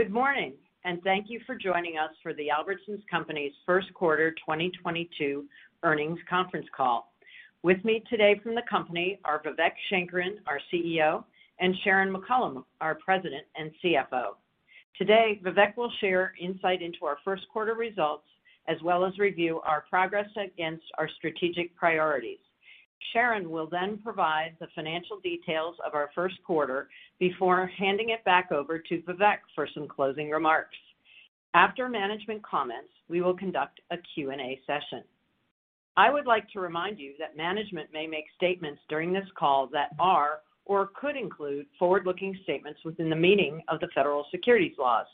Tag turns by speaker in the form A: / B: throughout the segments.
A: Good morning, and thank you for joining us for the Albertsons Companies' first quarter 2022 earnings conference call. With me today from the company are Vivek Sankaran, our CEO, and Sharon McCollam, our President and CFO. Today, Vivek will share insight into our first quarter results, as well as review our progress against our strategic priorities. Sharon will then provide the financial details of our first quarter before handing it back over to Vivek for some closing remarks. After management comments, we will conduct a Q&A session. I would like to remind you that management may make statements during this call that are or could include forward-looking statements within the meaning of the federal securities laws.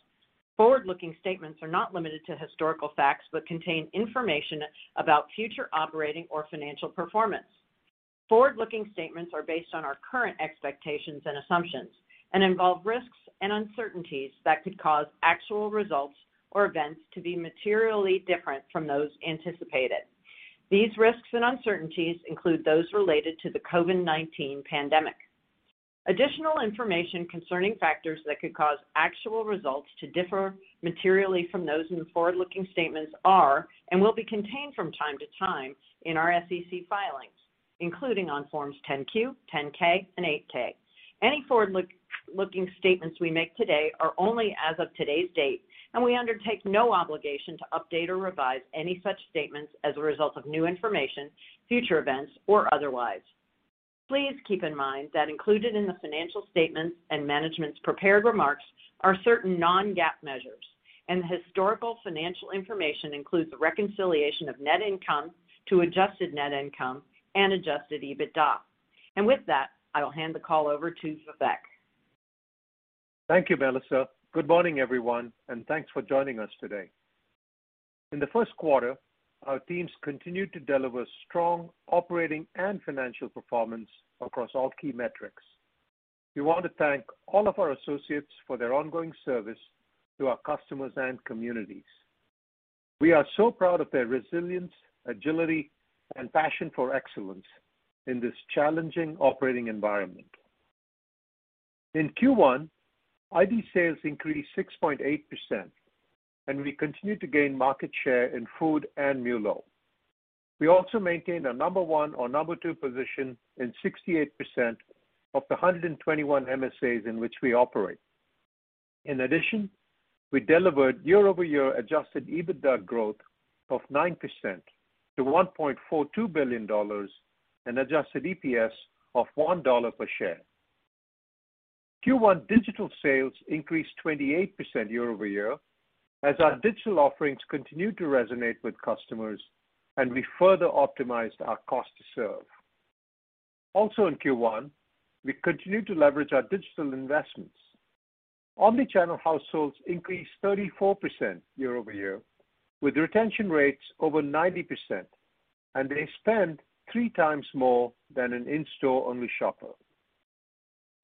A: Forward-looking statements are not limited to historical facts, but contain information about future operating or financial performance. Forward-looking statements are based on our current expectations and assumptions and involve risks and uncertainties that could cause actual results or events to be materially different from those anticipated. These risks and uncertainties include those related to the COVID-19 pandemic. Additional information concerning factors that could cause actual results to differ materially from those in the forward-looking statements are and will be contained from time to time in our SEC filings, including on Forms 10-Q, 10-K, and 8-K. Any forward look, forward-looking statements we make today are only as of today's date, and we undertake no obligation to update or revise any such statements as a result of new information, future events, or otherwise. Please keep in mind that included in the financial statements and management's prepared remarks are certain non-GAAP measures, and the historical financial information includes the reconciliation of net income to adjusted net income and adjusted EBITDA. With that, I will hand the call over to Vivek.
B: Thank you, Melissa. Good morning, everyone, and thanks for joining us today. In the first quarter, our teams continued to deliver strong operating and financial performance across all key metrics. We want to thank all of our associates for their ongoing service to our customers and communities. We are so proud of their resilience, agility, and passion for excellence in this challenging operating environment. In Q1, ID sales increased 6.8%, and we continued to gain market share in food and MULO. We also maintained a number one or number two position in 68 of the 121 MSAs in which we operate. In addition, we delivered year-over-year adjusted EBITDA growth of 9%-$1.42 billion and adjusted EPS of $1 per share. Q1 digital sales increased 28% year-over-year as our digital offerings continued to resonate with customers and we further optimized our cost to serve. Also in Q1, we continued to leverage our digital investments. Omnichannel households increased 34% year-over-year, with retention rates over 90%, and they spent 3x more than an in-store only shopper.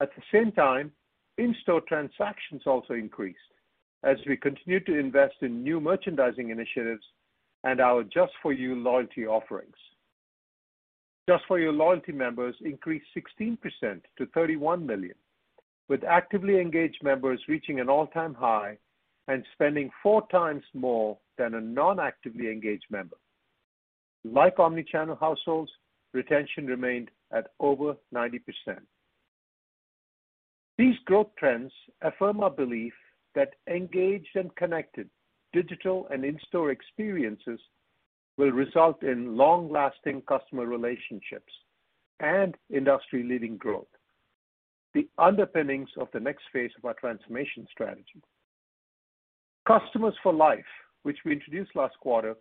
B: At the same time, in-store transactions also increased as we continued to invest in new merchandising initiatives and our just for U loyalty offerings. Just for U loyalty members increased 16%-31 million, with actively engaged members reaching an all-time high and spending 4x more than a non-actively engaged member. Like omnichannel households, retention remained at over 90%. These growth trends affirm our belief that engaged and connected digital and in-store experiences will result in long-lasting customer relationships and industry-leading growth, the underpinnings of the next phase of our transformation strategy. Customers for Life, which we introduced last quarter,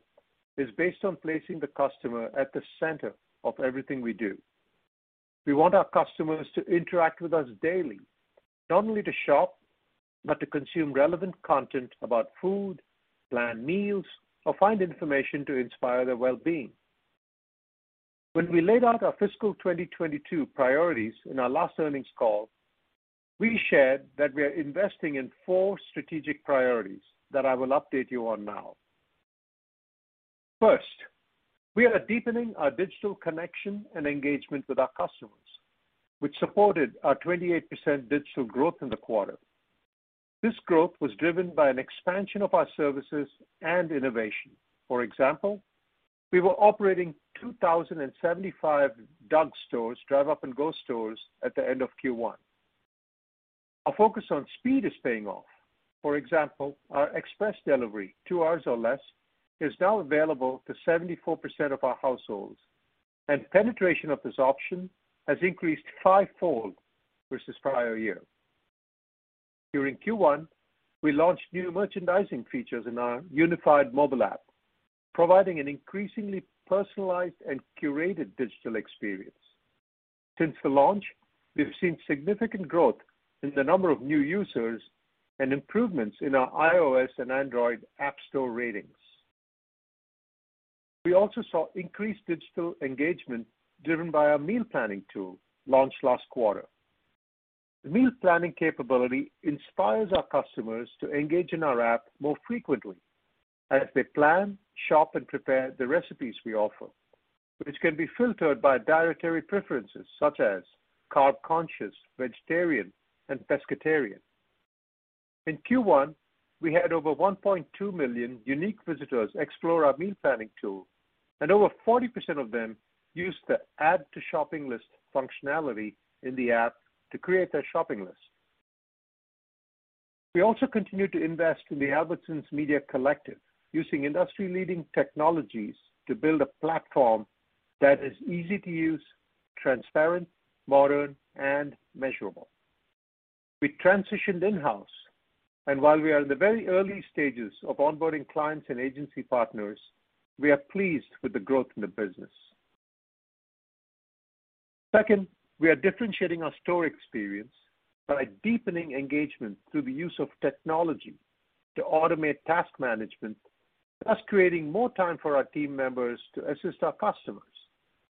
B: is based on placing the customer at the center of everything we do. We want our customers to interact with us daily, not only to shop, but to consume relevant content about food, plan meals, or find information to inspire their well-being. When we laid out our fiscal 2022 priorities in our last earnings call, we shared that we are investing in four strategic priorities that I will update you on now. First, we are deepening our digital connection and engagement with our customers, which supported our 28% digital growth in the quarter. This growth was driven by an expansion of our services and innovation. For example, we were operating 2,075 DUG stores, drive up and go stores, at the end of Q1. Our focus on speed is paying off. For example, our express delivery, two hours or less, is now available to 74% of our households, and penetration of this option has increased five-fold versus prior year. During Q1, we launched new merchandising features in our unified mobile app, providing an increasingly personalized and curated digital experience. Since the launch, we've seen significant growth in the number of new users and improvements in our iOS and Android app store ratings. We also saw increased digital engagement driven by our meal planning tool launched last quarter. The meal planning capability inspires our customers to engage in our app more frequently. As they plan, shop, and prepare the recipes we offer, which can be filtered by dietary preferences such as carb-conscious, vegetarian, and pescatarian. In Q1, we had over 1.2 million unique visitors explore our meal planning tool, and over 40% of them used the add to shopping list functionality in the app to create their shopping list. We also continue to invest in the Albertsons Media Collective, using industry-leading technologies to build a platform that is easy to use, transparent, modern, and measurable. We transitioned in-house, and while we are in the very early stages of onboarding clients and agency partners, we are pleased with the growth in the business. Second, we are differentiating our store experience by deepening engagement through the use of technology to automate task management, thus creating more time for our team members to assist our customers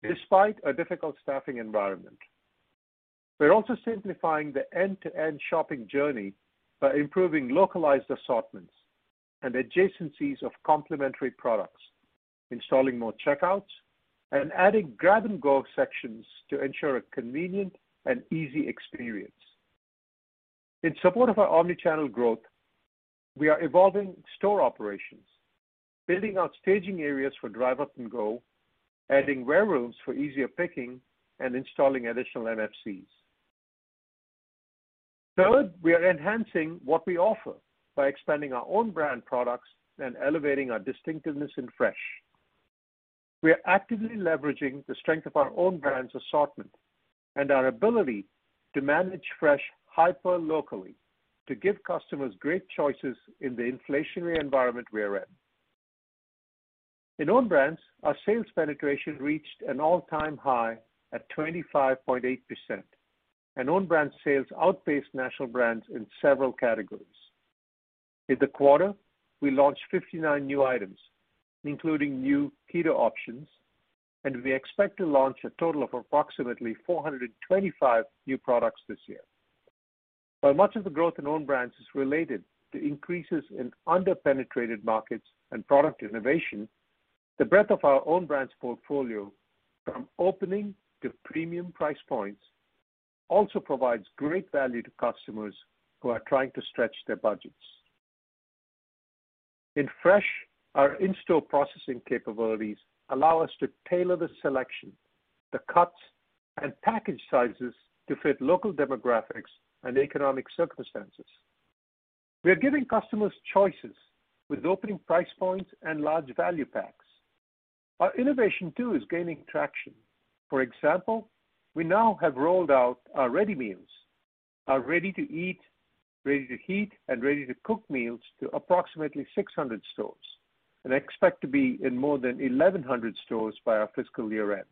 B: despite a difficult staffing environment. We're also simplifying the end-to-end shopping journey by improving localized assortments and adjacencies of complementary products, installing more checkouts, and adding grab-and-go sections to ensure a convenient and easy experience. In support of our omni-channel growth, we are evolving store operations, building out staging areas for drive up and go, adding showrooms for easier picking, and installing additional MFCs. Third, we are enhancing what we offer by expanding our own brand products and elevating our distinctiveness in fresh. We are actively leveraging the strength of our own brands assortment and our ability to manage fresh hyper-locally to give customers great choices in the inflationary environment we are in. In own brands, our sales penetration reached an all-time high at 25.8%, and own brand sales outpaced national brands in several categories. In the quarter, we launched 59 new items, including new keto options, and we expect to launch a total of approximately 425 new products this year. While much of the growth in own brands is related to increases in under-penetrated markets and product innovation, the breadth of our own brands portfolio from opening to premium price points also provides great value to customers who are trying to stretch their budgets. In fresh, our in-store processing capabilities allow us to tailor the selection, the cuts, and package sizes to fit local demographics and economic circumstances. We are giving customers choices with opening price points and large value packs. Our innovation, too, is gaining traction. For example, we now have rolled out our ready meals, our ready to eat, ready to heat, and ready to cook meals to approximately 600 stores and expect to be in more than 1,100 stores by our fiscal year end.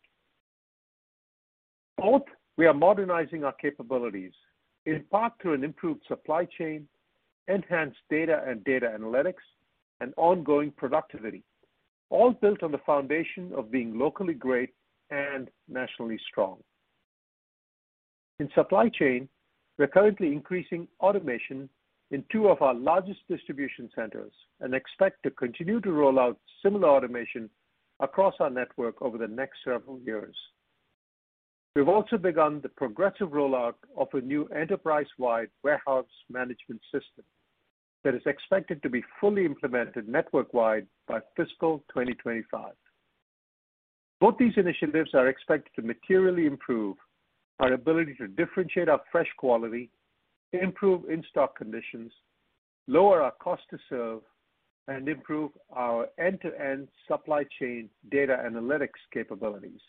B: Fourth, we are modernizing our capabilities, in part through an improved supply chain, enhanced data and data analytics, and ongoing productivity, all built on the foundation of being locally great and nationally strong. In supply chain, we're currently increasing automation in two of our largest distribution centers and expect to continue to roll out similar automation across our network over the next several years. We've also begun the progressive rollout of a new enterprise-wide warehouse management system that is expected to be fully implemented network-wide by fiscal 2025. Both these initiatives are expected to materially improve our ability to differentiate our fresh quality, improve in-stock conditions, lower our cost to serve, and improve our end-to-end supply chain data analytics capabilities.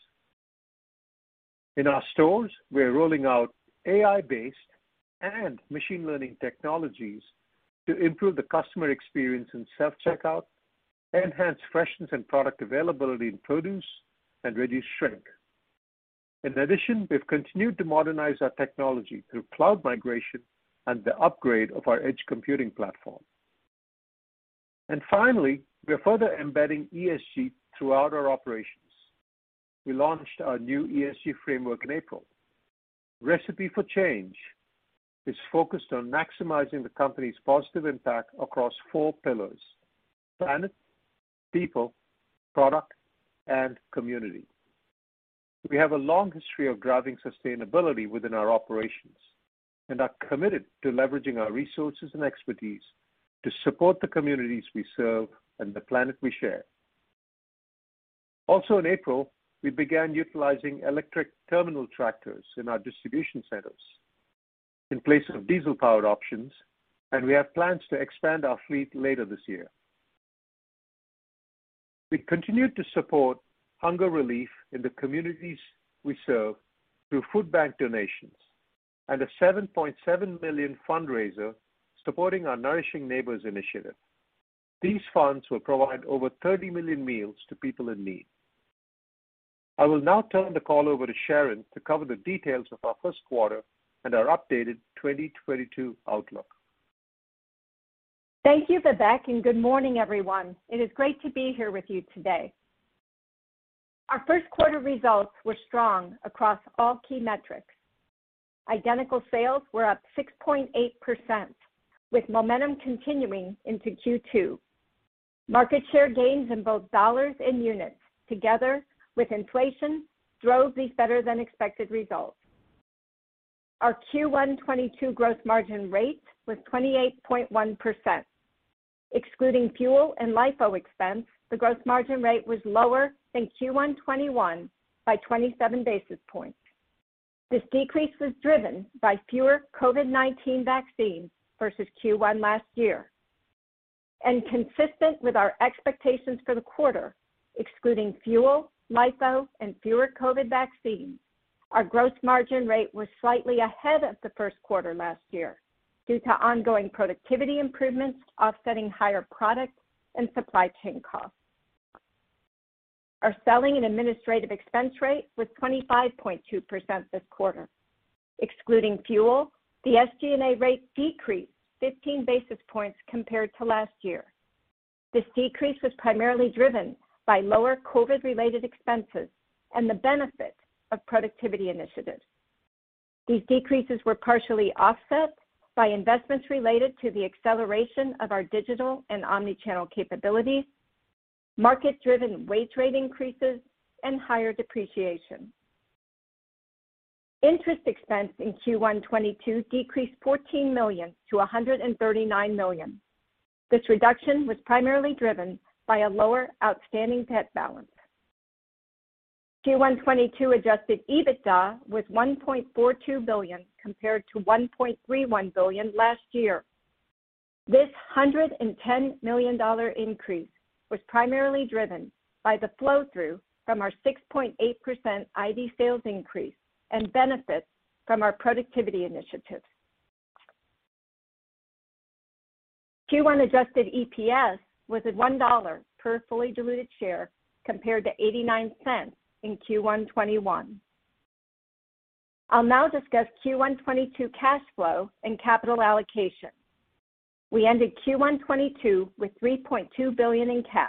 B: In our stores, we are rolling out AI-based and machine learning technologies to improve the customer experience in self-checkout, enhance freshness and product availability in produce, and reduce shrink. In addition, we've continued to modernize our technology through cloud migration and the upgrade of our edge computing platform. Finally, we are further embedding ESG throughout our operations. We launched our new ESG framework in April. Recipe for Change is focused on maximizing the company's positive impact across four pillars, planet, people, product, and community. We have a long history of driving sustainability within our operations and are committed to leveraging our resources and expertise to support the communities we serve and the planet we share. Also in April, we began utilizing electric terminal tractors in our distribution centers in place of diesel power options, and we have plans to expand our fleet later this year. We continue to support hunger relief in the communities we serve through food bank donations and a $7.7 million fundraiser supporting our Nourishing Neighbors initiative. These funds will provide over 30 million meals to people in need. I will now turn the call over to Sharon to cover the details of our first quarter and our updated 2022 outlook.
C: Thank you, Vivek, and good morning, everyone. It is great to be here with you today. Our first quarter results were strong across all key metrics. Identical sales were up 6.8% with momentum continuing into Q2. Market share gains in both dollars and units, together with inflation, drove these better than expected results. Our Q1 2022 gross margin rate was 28.1%. Excluding fuel and LIFO expense, the gross margin rate was lower than Q1 2021 by 27 basis points. This decrease was driven by fewer COVID-19 vaccines versus Q1 last year. Consistent with our expectations for the quarter, excluding fuel, LIFO, and fewer COVID vaccines, our gross margin rate was slightly ahead of the first quarter last year due to ongoing productivity improvements offsetting higher product and supply chain costs. Our selling and administrative expense rate was 25.2% this quarter. Excluding fuel, the SG&A rate decreased 15 basis points compared to last year. This decrease was primarily driven by lower COVID-related expenses and the benefit of productivity initiatives. These decreases were partially offset by investments related to the acceleration of our digital and omni-channel capabilities, market-driven wage rate increases, and higher depreciation. Interest expense in Q1 2022 decreased $14 million-$139 million. This reduction was primarily driven by a lower outstanding debt balance. Q1 2022 adjusted EBITDA was $1.42 billion compared to $1.31 billion last year. This $110 million increase was primarily driven by the flow-through from our 6.8% ID sales increase and benefits from our productivity initiatives. Q1 adjusted EPS was at $1 per fully diluted share compared to $0.89 in Q1 2021. I'll now discuss Q1 2022 cash flow and capital allocation. We ended Q1 2022 with $3.2 billion in cash,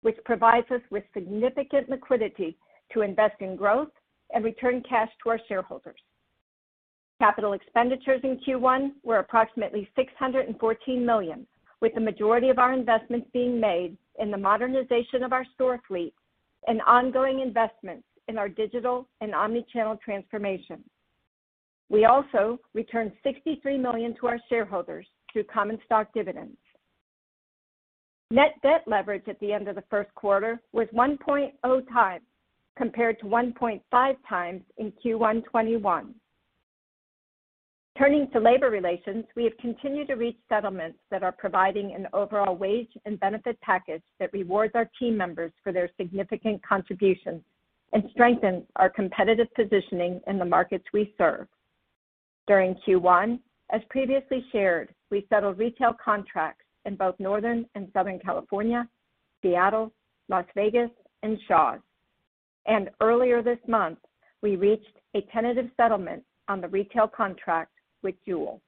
C: which provides us with significant liquidity to invest in growth and return cash to our shareholders. Capital expenditures in Q1 were approximately $614 million, with the majority of our investments being made in the modernization of our store fleet and ongoing investments in our digital and omni-channel transformation. We also returned $63 million to our shareholders through common stock dividends. Net debt leverage at the end of the first quarter was 1.0x compared to 1.5x in Q1 2021. Turning to labor relations, we have continued to reach settlements that are providing an overall wage and benefit package that rewards our team members for their significant contributions and strengthens our competitive positioning in the markets we serve. During Q1, as previously shared, we settled retail contracts in both Northern and Southern California, Seattle, Las Vegas, and Shaw's. Earlier this month, we reached a tentative settlement on the retail contract with Jewel-Osco.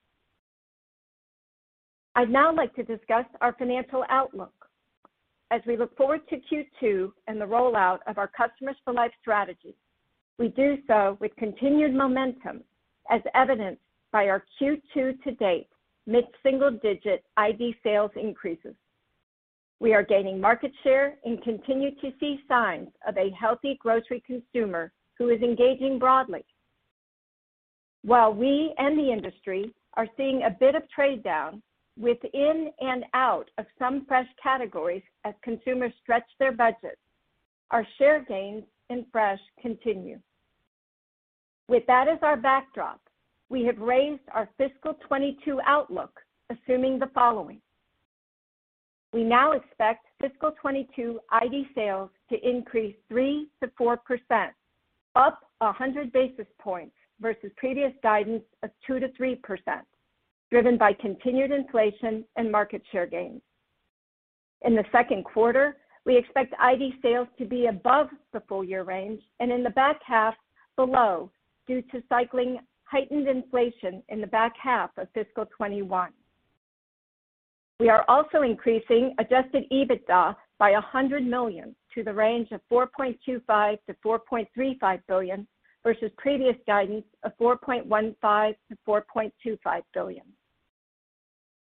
C: I'd now like to discuss our financial outlook. As we look forward to Q2 and the rollout of our Customers for Life strategy, we do so with continued momentum, as evidenced by our Q2 to date mid-single-digit ID sales increases. We are gaining market share and continue to see signs of a healthy grocery consumer who is engaging broadly. While we and the industry are seeing a bit of trade down within and out of some fresh categories as consumers stretch their budgets, our share gains in fresh continue. With that as our backdrop, we have raised our fiscal 2022 outlook, assuming the following. We now expect fiscal 2022 ID sales to increase 3%-4%, up 100 basis points versus previous guidance of 2%-3%, driven by continued inflation and market share gains. In the second quarter, we expect ID sales to be above the full year range and in the back half below due to cycling heightened inflation in the back half of fiscal 2021. We are also increasing adjusted EBITDA by $100 million to the range of $4.25 billion-$4.35 billion versus previous guidance of $4.15 billion-$4.25 billion.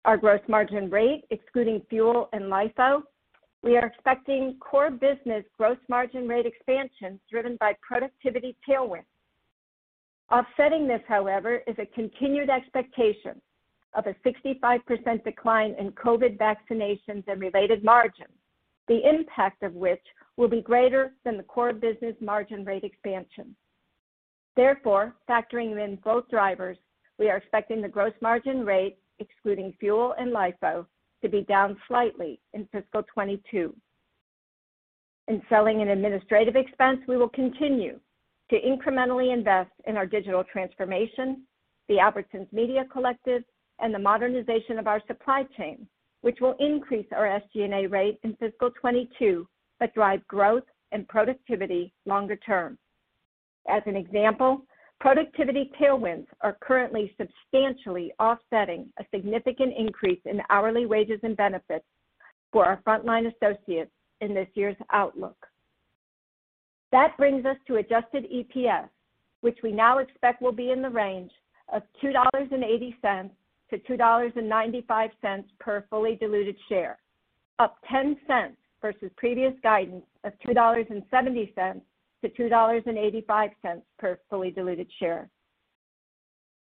C: Our gross margin rate, excluding fuel and LIFO, we are expecting core business gross margin rate expansion driven by productivity tailwinds. Offsetting this, however, is a continued expectation of a 65% decline in COVID vaccinations and related margins, the impact of which will be greater than the core business margin rate expansion. Therefore, factoring in both drivers, we are expecting the gross margin rate, excluding fuel and LIFO, to be down slightly in fiscal 2022. In selling and administrative expense, we will continue to incrementally invest in our digital transformation, the Albertsons Media Collective, and the modernization of our supply chain, which will increase our SG&A rate in fiscal 2022, but drive growth and productivity longer term. As an example, productivity tailwinds are currently substantially offsetting a significant increase in hourly wages and benefits for our frontline associates in this year's outlook. That brings us to adjusted EPS, which we now expect will be in the range of $2.80-$2.95 per fully diluted share, up $0.10 versus previous guidance of $2.70-$2.85 per fully diluted share.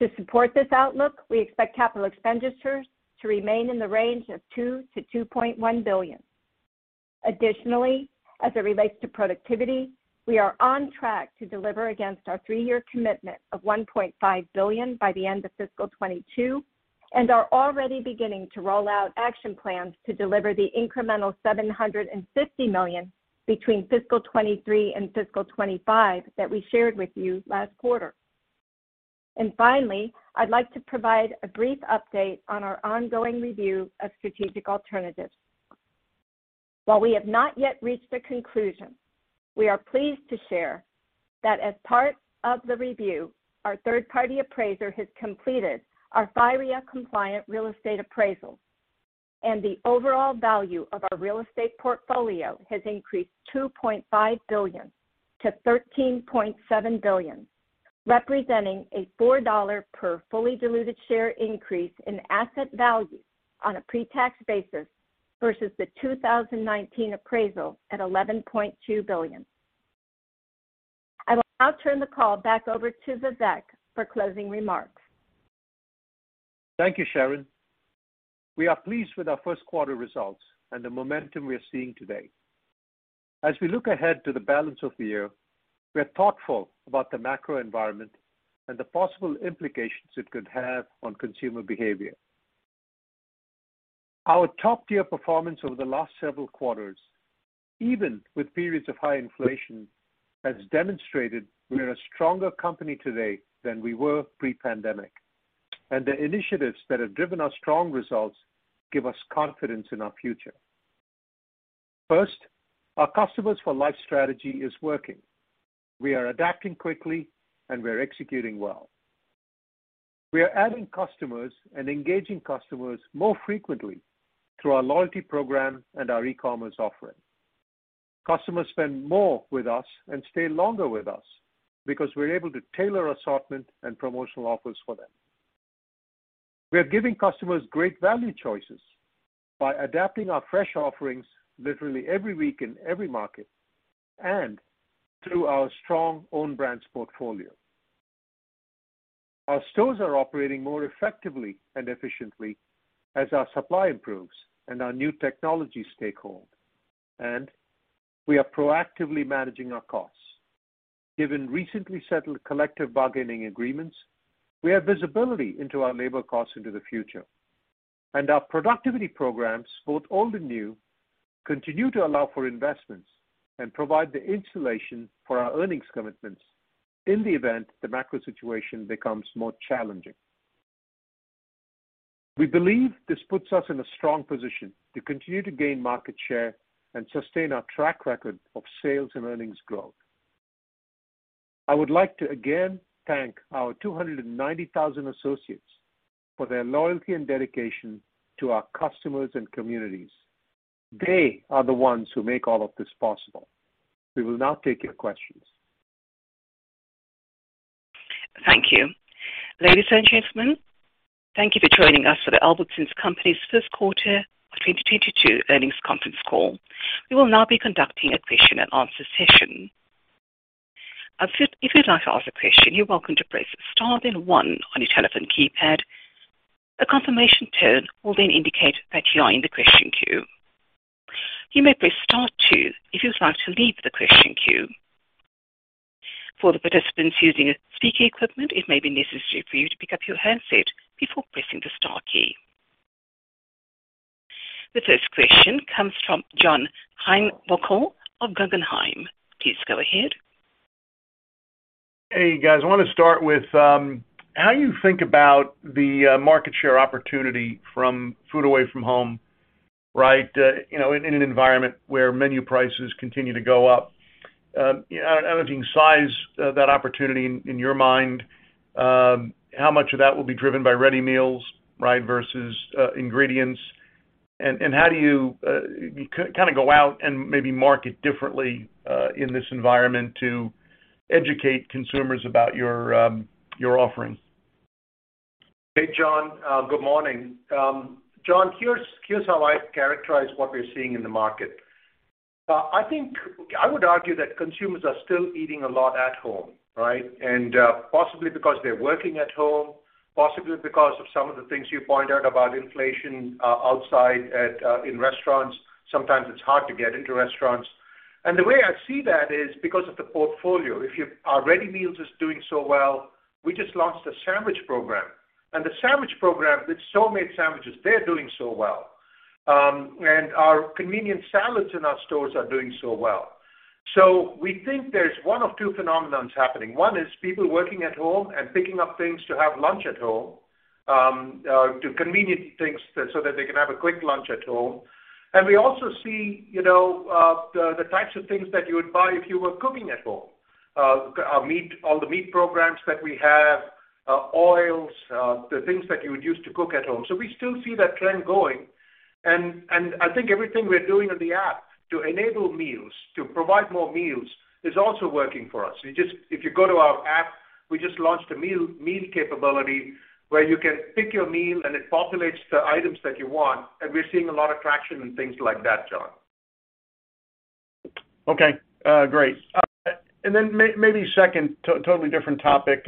C: To support this outlook, we expect capital expenditures to remain in the range of $2 billion-$2.1 billion. Additionally, as it relates to productivity, we are on track to deliver against our three-year commitment of $1.5 billion by the end of fiscal 2022 and are already beginning to roll out action plans to deliver the incremental $750 million between fiscal 2023 and fiscal 2025 that we shared with you last quarter. Finally, I'd like to provide a brief update on our ongoing review of strategic alternatives. While we have not yet reached a conclusion, we are pleased to share that as part of the review, our third-party appraiser has completed our FIRREA-compliant real estate appraisal, and the overall value of our real estate portfolio has increased $2.5 billion-$13.7 billion, representing a $4 per fully diluted share increase in asset value on a pre-tax basis versus the 2019 appraisal at $11.2 billion. I will now turn the call back over to Vivek for closing remarks.
B: Thank you, Sharon. We are pleased with our first quarter results and the momentum we are seeing today. As we look ahead to the balance of the year, we are thoughtful about the macro environment and the possible implications it could have on consumer behavior. Our top-tier performance over the last several quarters, even with periods of high inflation, has demonstrated we are a stronger company today than we were pre-pandemic, and the initiatives that have driven our strong results give us confidence in our future. First, our Customers for Life strategy is working. We are adapting quickly, and we are executing well. We are adding customers and engaging customers more frequently through our loyalty program and our e-commerce offering. Customers spend more with us and stay longer with us because we're able to tailor assortment and promotional offers for them. We are giving customers great value choices by adapting our fresh offerings literally every week in every market and through our strong own brands portfolio. Our stores are operating more effectively and efficiently as our supply improves and our new technologies take hold, and we are proactively managing our costs. Given recently settled collective bargaining agreements, we have visibility into our labor costs into the future, and our productivity programs, both old and new, continue to allow for investments and provide the insulation for our earnings commitments in the event the macro situation becomes more challenging. We believe this puts us in a strong position to continue to gain market share and sustain our track record of sales and earnings growth. I would like to again thank our 290,000 associates for their loyalty and dedication to our customers and communities. They are the ones who make all of this possible. We will now take your questions.
D: Thank you. Ladies and gentlemen, thank you for joining us for the Albertsons Companies' first quarter of 2022 earnings conference call. We will now be conducting a question and answer session. If you'd like to ask a question, you're welcome to press star then one on your telephone keypad. A confirmation tone will then indicate that you are in the question queue. You may press star two if you'd like to leave the question queue. For the participants using speaker equipment, it may be necessary for you to pick up your handset before pressing the star key. The first question comes from John Heinbockel of Guggenheim. Please go ahead.
E: Hey, guys. I want to start with how you think about the market share opportunity from food away from home, right, you know, in an environment where menu prices continue to go up. How would you size that opportunity in your mind? How much of that will be driven by ready meals, right, versus ingredients, and how do you kind of go out and maybe market differently in this environment to educate consumers about your offerings?
B: Hey, John. Good morning. John, here's how I characterize what we're seeing in the market. I would argue that consumers are still eating a lot at home, right? Possibly because they're working at home, possibly because of some of the things you pointed out about inflation outside in restaurants. Sometimes it's hard to get into restaurants. The way I see that is because of the portfolio. Our ready meals is doing so well. We just launched a sandwich program. The sandwich program with so many sandwiches, they're doing so well. Our convenient salads in our stores are doing so well. We think there's one of two phenomena happening. One is people working at home and picking up things to have lunch at home, too convenient things so that they can have a quick lunch at home. We also see, you know, the types of things that you would buy if you were cooking at home. Meat, all the meat programs that we have, oils, the things that you would use to cook at home. We still see that trend going. I think everything we're doing on the app to enable meals, to provide more meals, is also working for us. If you go to our app, we just launched a meal capability where you can pick your meal and it populates the items that you want. We're seeing a lot of traction in things like that, John.
E: Okay, great. Maybe second, totally different topic.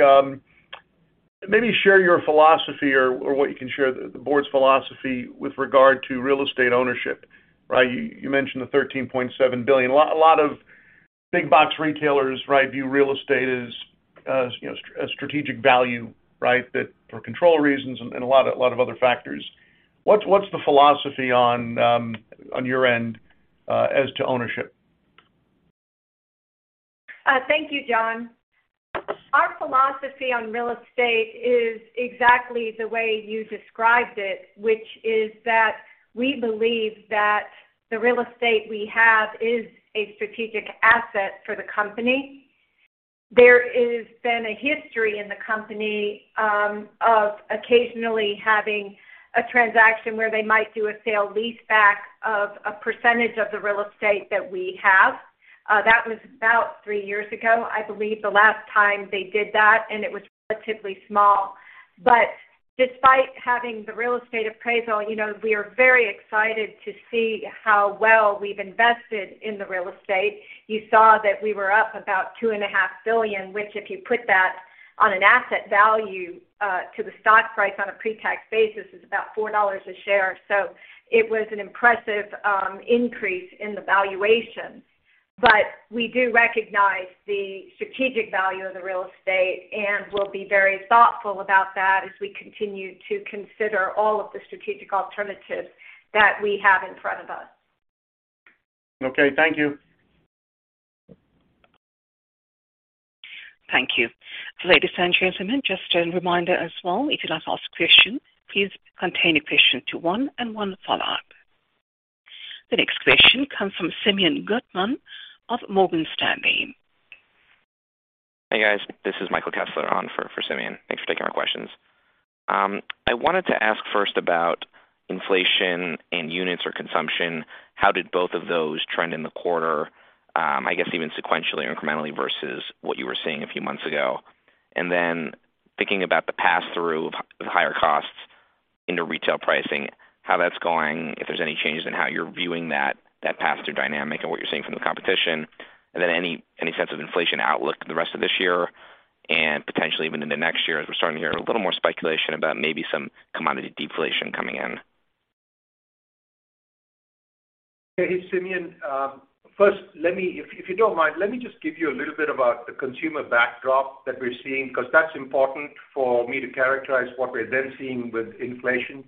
E: Maybe share your philosophy or what you can share, the board's philosophy with regard to real estate ownership, right? You mentioned the $13.7 billion. A lot of big box retailers, right, view real estate as, you know, as strategic value, right? That for control reasons and a lot of other factors. What's the philosophy on your end as to ownership?
C: Thank you, John. Our philosophy on real estate is exactly the way you described it, which is that we believe that the real estate we have is a strategic asset for the company. There has been a history in the company of occasionally having a transaction where they might do a sale-leaseback of a percentage of the real estate that we have. That was about three years ago, I believe, the last time they did that, and it was relatively small. Despite having the real estate appraisal, you know, we are very excited to see how well we've invested in the real estate. You saw that we were up about $2.5 billion, which if you put that on an asset value to the stock price on a pre-tax basis, is about $4 a share. It was an impressive increase in the valuation. We do recognize the strategic value of the real estate, and we'll be very thoughtful about that as we continue to consider all of the strategic alternatives that we have in front of us.
E: Okay. Thank you.
D: Thank you. Ladies and gentlemen, just a reminder as well, if you'd like to ask questions, please contain your question to one and one follow-up. The next question comes from Simeon Gutman of Morgan Stanley.
F: Hey, guys. This is Michael Kessler on for Simeon Gutman. Thanks for taking our questions. I wanted to ask first about inflation in units or consumption. How did both of those trend in the quarter, I guess even sequentially or incrementally versus what you were seeing a few months ago? Thinking about the pass-through of higher costs into retail pricing, how that's going, if there's any changes in how you're viewing that pass-through dynamic and what you're seeing from the competition. Any sense of inflation outlook the rest of this year and potentially even into next year, as we're starting to hear a little more speculation about maybe some commodity deflation coming in.
B: Hey, Simeon. First, if you don't mind, let me just give you a little bit about the consumer backdrop that we're seeing, because that's important for me to characterize what we're then seeing with inflation.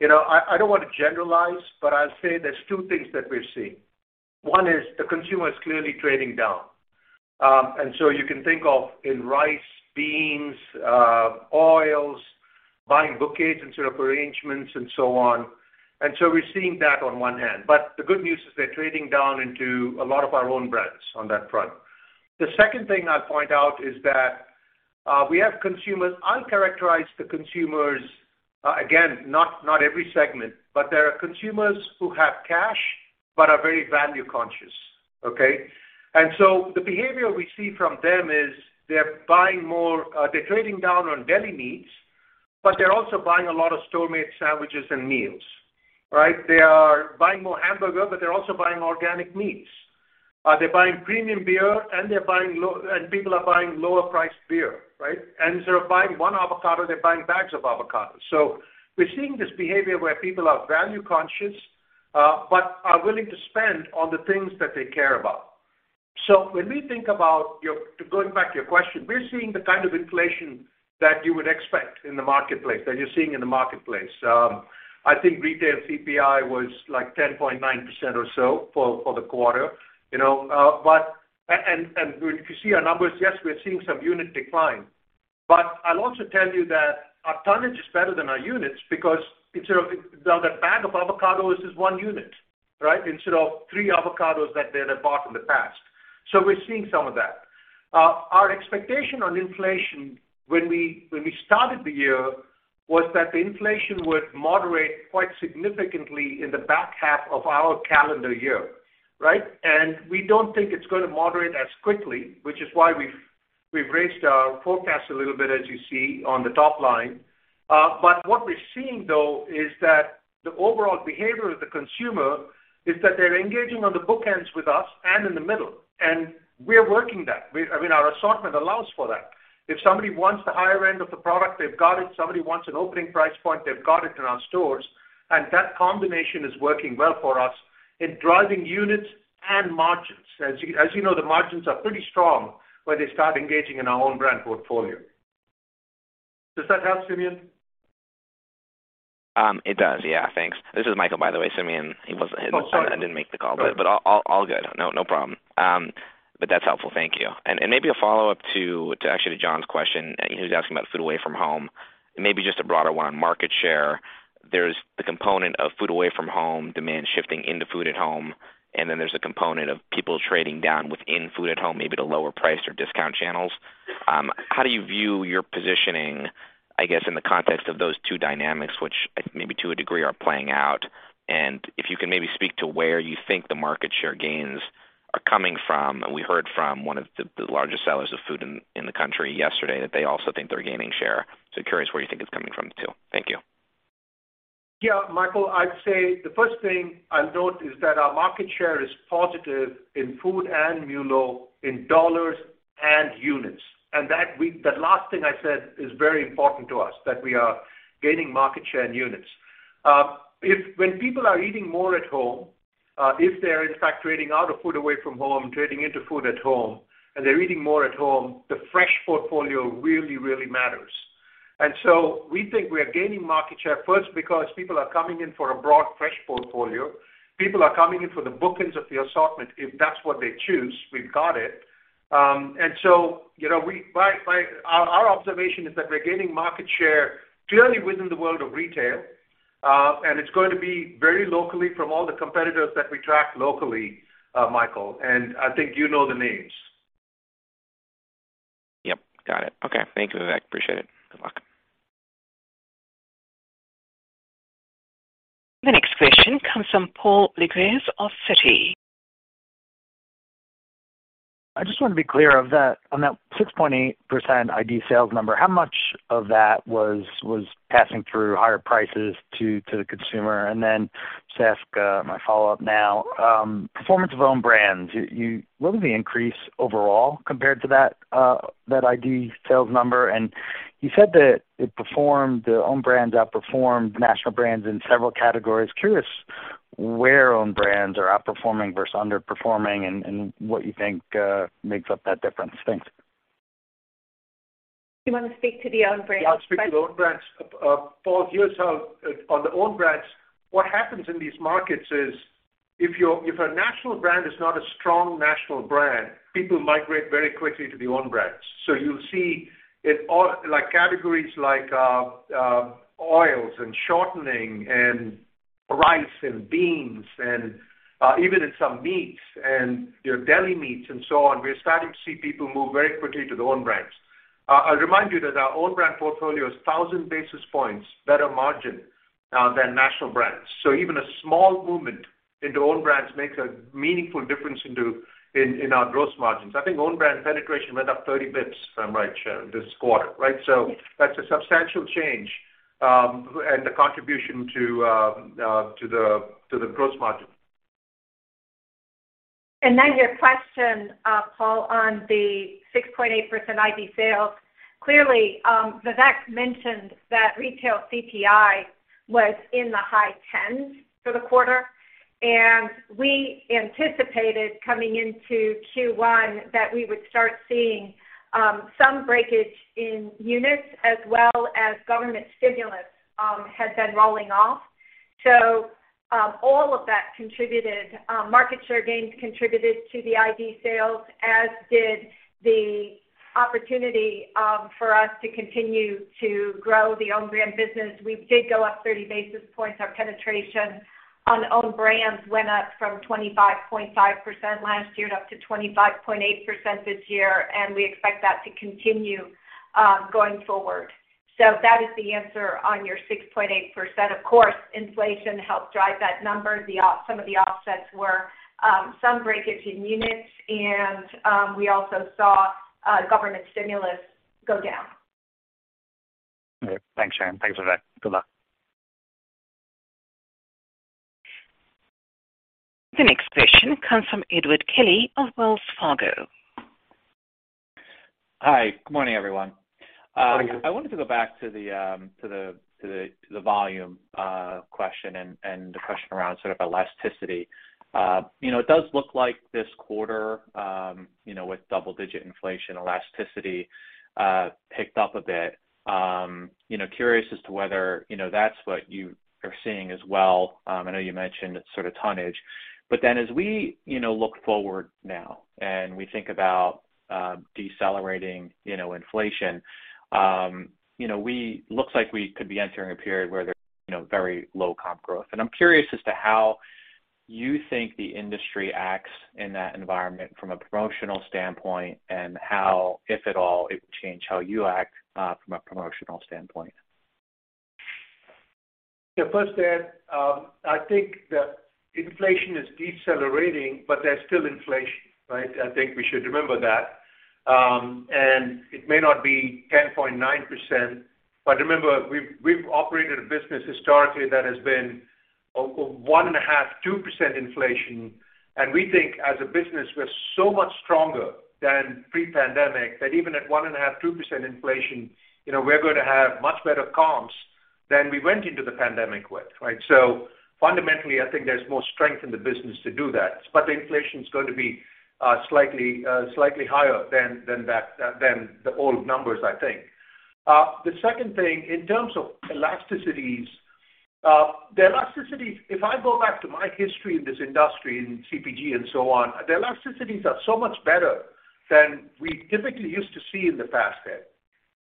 B: You know, I don't want to generalize, but I'll say there's two things that we're seeing. One is the consumer is clearly trading down. You can think of in rice, beans, oils, buying bouquets instead of arrangements and so on. We're seeing that on one hand. The good news is they're trading down into a lot of our own brands on that front. The second thing I'd point out is that we have consumers. I'll characterize the consumers, again, not every segment, but there are consumers who have cash but are very value conscious. Okay? The behavior we see from them is they're buying more, they're trading down on deli meats, but they're also buying a lot of store-made sandwiches and meals, right? They are buying more hamburger, but they're also buying organic meats. They're buying premium beer, and they're buying lower priced beer, right? And instead of buying one avocado, they're buying bags of avocados. We're seeing this behavior where people are value conscious, but are willing to spend on the things that they care about. When we think about going back to your question, we're seeing the kind of inflation that you would expect in the marketplace, that you're seeing in the marketplace. I think retail CPI was like 10.9% or so for the quarter. You know, if you see our numbers, yes, we're seeing some unit decline. I'll also tell you that our tonnage is better than our units because instead of the bag of avocados is one unit, right? Instead of three avocados that they'd have bought in the past. We're seeing some of that. Our expectation on inflation when we started the year was that the inflation would moderate quite significantly in the back half of our calendar year, right? We don't think it's going to moderate as quickly, which is why we've raised our forecast a little bit, as you see on the top line. What we're seeing, though, is that the overall behavior of the consumer is that they're engaging on the bookends with us and in the middle. We are working that. I mean, our assortment allows for that. If somebody wants the higher end of the product, they've got it. If somebody wants an opening price point, they've got it in our stores. That combination is working well for us in driving units and margins. As you know, the margins are pretty strong when they start engaging in our own brand portfolio. Does that help, Simeon?
F: It does. Yeah, thanks. This is Michael, by the way, Simeon. I didn't make the call, but all good. No problem. But that's helpful. Thank you. Maybe a follow-up to, actually, to John's question. He was asking about food away from home, and maybe just a broader one on market share. There's the component of food away from home, demand shifting into food at home, and then there's a component of people trading down within food at home, maybe to lower price or discount channels. How do you view your positioning, I guess, in the context of those two dynamics, which maybe to a degree are playing out? If you can maybe speak to where you think the market share gains are coming from. We heard from one of the largest sellers of food in the country yesterday that they also think they're gaining share. Curious where you think it's coming from too. Thank you.
B: Yeah, Michael, I'd say the first thing I'll note is that our market share is positive in food and MULO in dollars and units. That last thing I said is very important to us, that we are gaining market share in units. If, when people are eating more at home, if they're in fact trading out of food away from home, trading into food at home, and they're eating more at home, the fresh portfolio really, really matters. We think we are gaining market share first because people are coming in for a broad, fresh portfolio. People are coming in for the bookends of the assortment. If that's what they choose, we've got it. You know, our observation is that we're gaining market share clearly within the world of retail, and it's going to be very local from all the competitors that we track locally, Michael, and I think you know the names.
F: Yep, got it. Okay. Thank you, Vivek. Appreciate it. Good luck.
D: The next question comes from Paul Lejuez of Citigroup.
G: I just want to be clear of that. On that 6.8% ID sales number, how much of that was passing through higher prices to the consumer? Just ask my follow-up now. Performance of own brands, what was the increase overall compared to that ID sales number? You said that it performed, the own brands outperformed national brands in several categories. Curious where own brands are outperforming versus underperforming and what you think makes up that difference. Thanks.
C: You want to speak to the own brands?
B: Yeah, I'll speak to own brands. Paul, here's how on the own brands, what happens in these markets is if a national brand is not a strong national brand, people migrate very quickly to the own brands. You'll see in all, like, categories like, oils and shortening and rice and beans and, even in some meats and your deli meats and so on, we're starting to see people move very quickly to the own brands. I'll remind you that our own brand portfolio is 1,000 basis points better margin than national brands. Even a small movement into own brands makes a meaningful difference in our gross margins. I think own brand penetration went up 30 basis points, right, Sharon, this quarter, right? That's a substantial change, and the contribution to the gross margin.
C: Your question, Paul, on the 6.8% ID sales. Clearly, Vivek mentioned that retail CPI was in the high 10s for the quarter, and we anticipated coming into Q1 that we would start seeing some breakage in units as well as government stimulus had been rolling off. All of that contributed, market share gains contributed to the ID sales, as did the opportunity for us to continue to grow the own brand business. We did go up 30 basis points. Our penetration on own brands went up from 25.5% last year to up to 25.8% this year, and we expect that to continue going forward. That is the answer on your 6.8%. Of course, inflation helped drive that number. Some of the offsets were some breakage in units, and we also saw government stimulus go down.
G: Okay. Thanks, Sharon. Thanks, Vivek. Good luck.
D: The next question comes from Edward Kelly of Wells Fargo.
H: Hi. Good morning, everyone.
B: Good morning.
H: I wanted to go back to the volume question and the question around sort of elasticity. You know, it does look like this quarter, you know, with double-digit inflation elasticity picked up a bit. You know, curious as to whether, you know, that's what you are seeing as well. I know you mentioned sort of tonnage, but then as we, you know, look forward now and we think about decelerating, you know, inflation, you know, looks like we could be entering a period where there's, you know, very low comp growth. I'm curious as to how you think the industry acts in that environment from a promotional standpoint and how, if at all, it would change how you act from a promotional standpoint.
B: Yeah. First, Ed, I think that inflation is decelerating, but there's still inflation, right? I think we should remember that. It may not be 10.9%, but remember, we've operated a business historically that has been 1.5%, 2% inflation. We think as a business, we're so much stronger than pre-pandemic that even at 1.5%, 2% inflation, we're going to have much better comps than we went into the pandemic with, right? Fundamentally, I think there's more strength in the business to do that, but inflation is going to be slightly higher than that, than the old numbers, I think. The second thing, in terms of elasticities, if I go back to my history in this industry, in CPG and so on, the elasticities are so much better than we typically used to see in the past, Ed.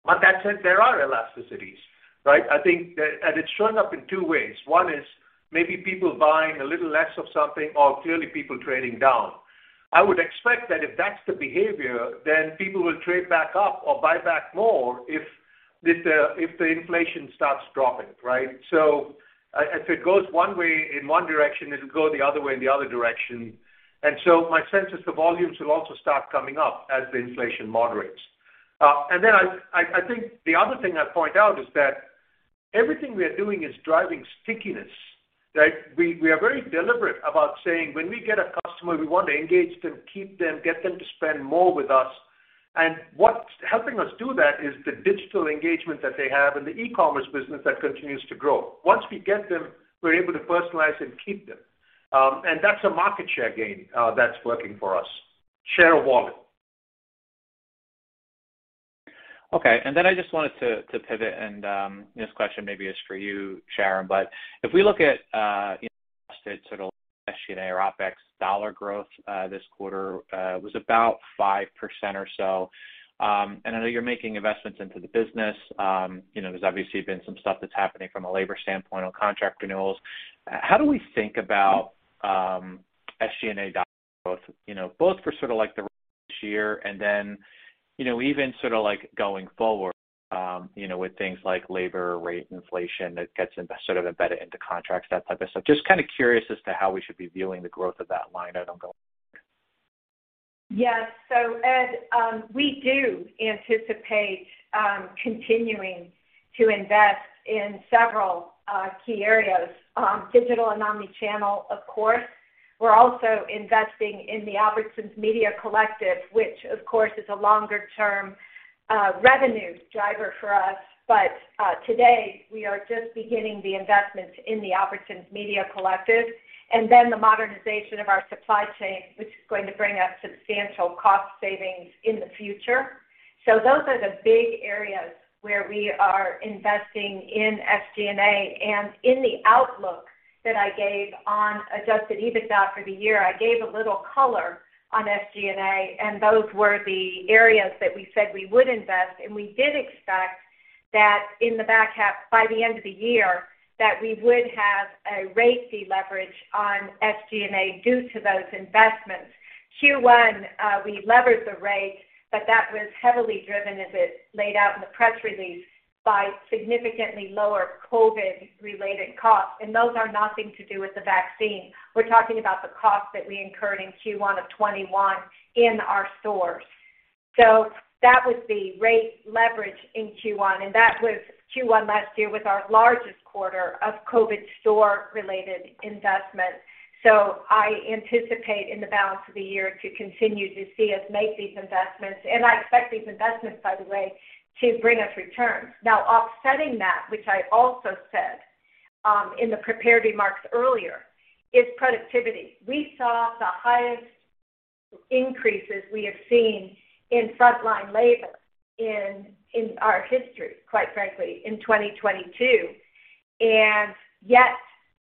B: That said, there are elasticities, right? I think. It's shown up in two ways. One is maybe people buying a little less of something or clearly people trading down. I would expect that if that's the behavior, then people will trade back up or buy back more if the, if the inflation starts dropping, right? If it goes one way in one direction, it'll go the other way in the other direction. My sense is the volumes will also start coming up as the inflation moderates. I think the other thing I'd point out is that everything we are doing is driving stickiness, right? We are very deliberate about saying, when we get a customer, we want to engage them, keep them, get them to spend more with us. What's helping us do that is the digital engagement that they have and the e-commerce business that continues to grow. Once we get them, we're able to personalize and keep them. That's a market share gain, that's working for us. Share of wallet.
H: Okay. I just wanted to pivot, and this question maybe is for you, Sharon. If we look at invested sort of SG&A or OpEx dollar growth this quarter was about 5% or so. I know you're making investments into the business. You know, there's obviously been some stuff that's happening from a labor standpoint on contract renewals. How do we think about SG&A dollar growth, you know, both for sort of like the rest of this year and then, you know, even sort of like going forward, you know, with things like labor rate inflation that gets sort of embedded into contracts, that type of stuff. Just kind of curious as to how we should be viewing the growth of that line item going.
C: Yes. Ed, we do anticipate continuing to invest in several key areas. Digital and omni-channel, of course. We're also investing in the Albertsons Media Collective, which of course is a longer term revenue driver for us. Today we are just beginning the investments in the Albertsons Media Collective and then the modernization of our supply chain, which is going to bring us substantial cost savings in the future. Those are the big areas where we are investing in SG&A. In the outlook that I gave on adjusted EBITDA for the year, I gave a little color on SG&A, and those were the areas that we said we would invest. We did expect that in the back half, by the end of the year, that we would have a rate deleverage on SG&A due to those investments. Q1, we levered the rate, but that was heavily driven, as it laid out in the press release, by significantly lower COVID-related costs. Those are nothing to do with the vaccine. We're talking about the costs that we incurred in Q1 of 2021 in our stores. That was the rate leverage in Q1. Q1 last year was our largest quarter of COVID store-related investment. I anticipate in the balance of the year to continue to see us make these investments, and I expect these investments, by the way, to bring us returns. Now, offsetting that, which I also said in the prepared remarks earlier, is productivity. We saw the highest increases we have seen in frontline labor in our history, quite frankly, in 2022.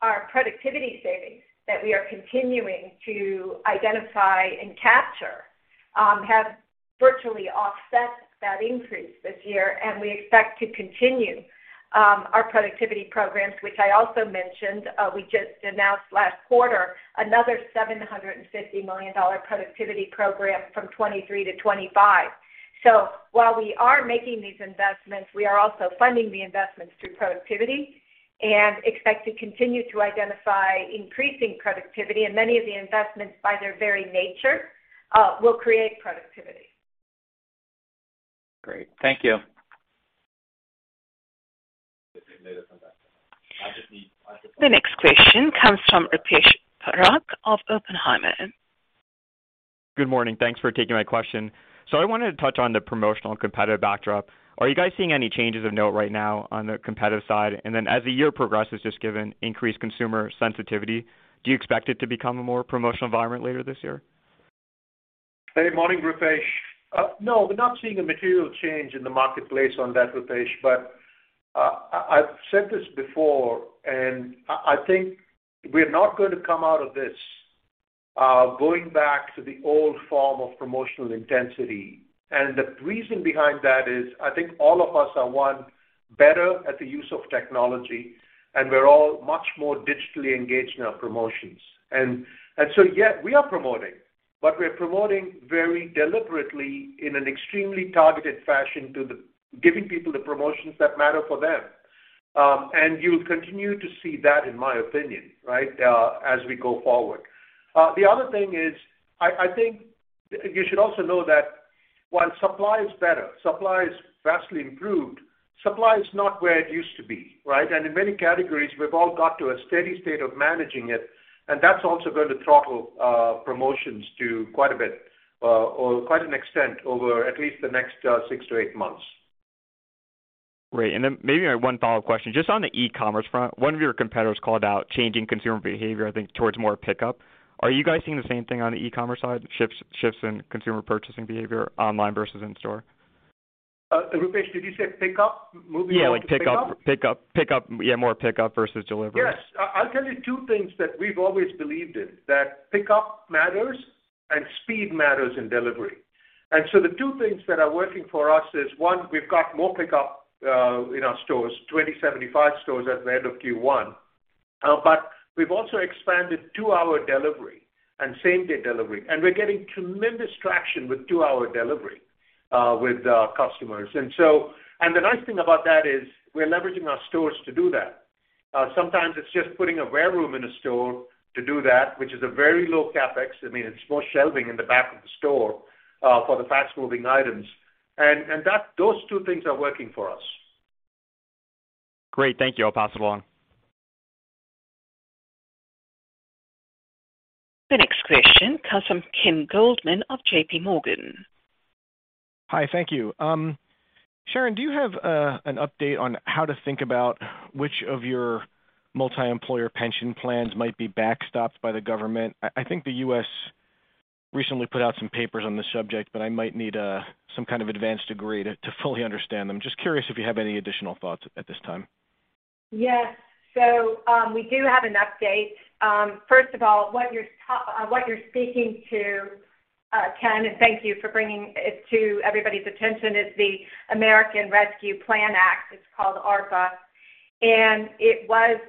C: Our productivity savings that we are continuing to identify and capture have virtually offset that increase this year. We expect to continue our productivity programs, which I also mentioned, we just announced last quarter another $750 million productivity program from 2023-2025. While we are making these investments, we are also funding the investments through productivity and expect to continue to identify increasing productivity. Many of the investments, by their very nature, will create productivity.
H: Great. Thank you.
D: The next question comes from Rupesh Parikh of Oppenheimer.
I: Good morning. Thanks for taking my question. I wanted to touch on the promotional competitive backdrop. Are you guys seeing any changes of note right now on the competitive side, and then as the year progresses, just given increased consumer sensitivity, do you expect it to become a more promotional environment later this year?
B: Good morning, Rupesh. No, we're not seeing a material change in the marketplace on that, Rupesh. I've said this before, and I think we're not going to come out of this going back to the old form of promotional intensity. The reason behind that is I think all of us are, one, better at the use of technology, and we're all much more digitally engaged in our promotions. Yes, we are promoting, but we're promoting very deliberately in an extremely targeted fashion giving people the promotions that matter for them. You'll continue to see that, in my opinion, right, as we go forward. The other thing is, I think you should also know that while supply is better, supply is vastly improved, supply is not where it used to be, right. In many categories, we've all got to a steady state of managing it, and that's also going to throttle promotions to quite a bit or quite an extent over at least the next six to eight months.
I: Great. Maybe one follow-up question. Just on the e-commerce front, one of your competitors called out changing consumer behavior, I think, towards more pickup. Are you guys seeing the same thing on the e-commerce side, shifts in consumer purchasing behavior online versus in store?
B: Rupesh, did you say pickup? Moving more to pickup?
I: Yeah, like pickup. Yeah, more pickup versus delivery.
B: Yes. I'll tell you two things that we've always believed in, that pickup matters and speed matters in delivery. The two things that are working for us is, one, we've got more pickup in our stores, 2,075 stores at the end of Q1. But we've also expanded two-hour delivery and same-day delivery, and we're getting tremendous traction with two-hour delivery with our customers. The nice thing about that is we're leveraging our stores to do that. Sometimes it's just putting a wareroom in a store to do that, which is a very low CapEx. I mean, it's more shelving in the back of the store for the fast-moving items. Those two things are working for us.
I: Great. Thank you. I'll pass it along.
D: The next question comes from Ken Goldman of JPMorgan.
J: Hi, thank you. Sharon, do you have an update on how to think about which of your multi-employer pension plans might be backstopped by the government? I think the U.S. recently put out some papers on this subject, but I might need some kind of advanced degree to fully understand them. Just curious if you have any additional thoughts at this time.
C: Yes. We do have an update. First of all, what you're speaking to, Ken, and thank you for bringing it to everybody's attention, is the American Rescue Plan Act. It's called ARPA. It was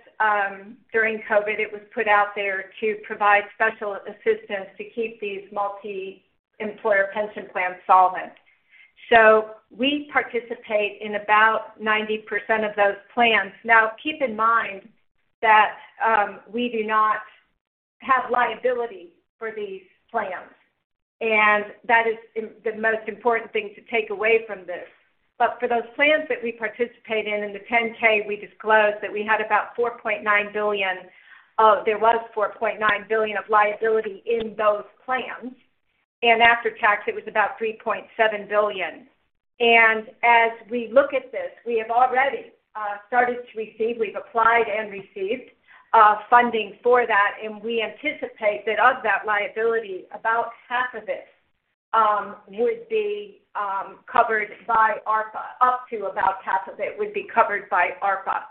C: during COVID put out there to provide special assistance to keep these multi-employer pension plans solvent. We participate in about 90% of those plans. Now, keep in mind that, we do not have liability for these plans, and that is the most important thing to take away from this. For those plans that we participate in the 10-K, we disclosed that we had about $4.9 billion of liability in those plans. After tax, it was about $3.7 billion. As we look at this, we have already started to receive. We've applied and received funding for that. We anticipate that of that liability, about half of it would be covered by ARPA, up to about half of it would be covered by ARPA.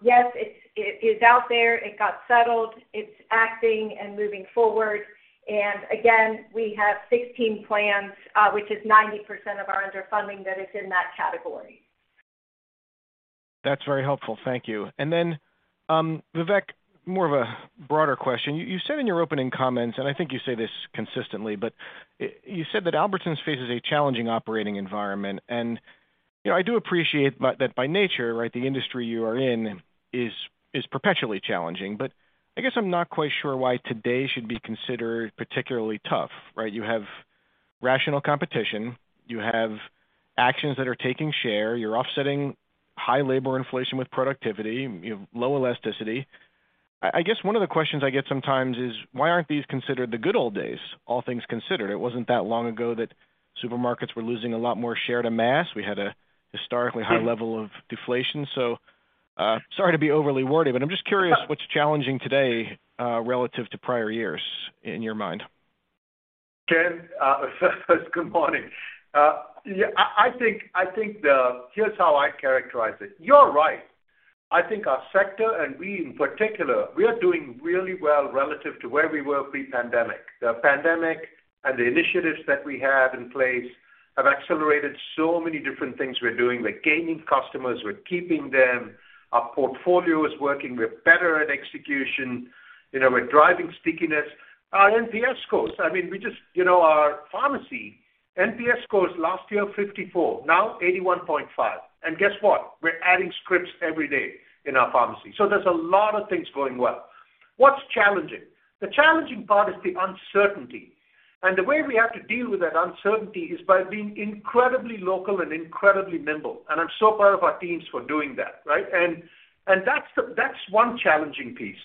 C: Yes, it is out there. It got settled. It's acting and moving forward. Again, we have 16 plans, which is 90% of our underfunding that is in that category.
J: That's very helpful. Thank you. Vivek, more of a broader question. You said in your opening comments, and I think you say this consistently, but you said that Albertsons faces a challenging operating environment. You know, I do appreciate that by nature, right, the industry you are in is perpetually challenging. I guess I'm not quite sure why today should be considered particularly tough, right? You have rational competition. You have actions that are taking share. You're offsetting high labor inflation with productivity. You have low elasticity. I guess one of the questions I get sometimes is, why aren't these considered the good old days, all things considered? It wasn't that long ago that supermarkets were losing a lot more share to mass. We had a historically high level of deflation. Sorry to be overly wordy, but I'm just curious what's challenging today, relative to prior years in your mind.
B: Ken, good morning. Yeah, I think. Here's how I characterize it. You're right. I think our sector and we in particular, we are doing really well relative to where we were pre-pandemic. The pandemic and the initiatives that we had in place have accelerated so many different things we're doing. We're gaining customers, we're keeping them. Our portfolio is working. We're better at execution. You know, we're driving stickiness. Our NPS scores, I mean, we just, you know, our pharmacy NPS scores last year, 54, now 81.5. Guess what? We're adding scripts every day in our pharmacy. There's a lot of things going well. What's challenging? The challenging part is the uncertainty. The way we have to deal with that uncertainty is by being incredibly local and incredibly nimble. I'm so proud of our teams for doing that, right? That's one challenging piece.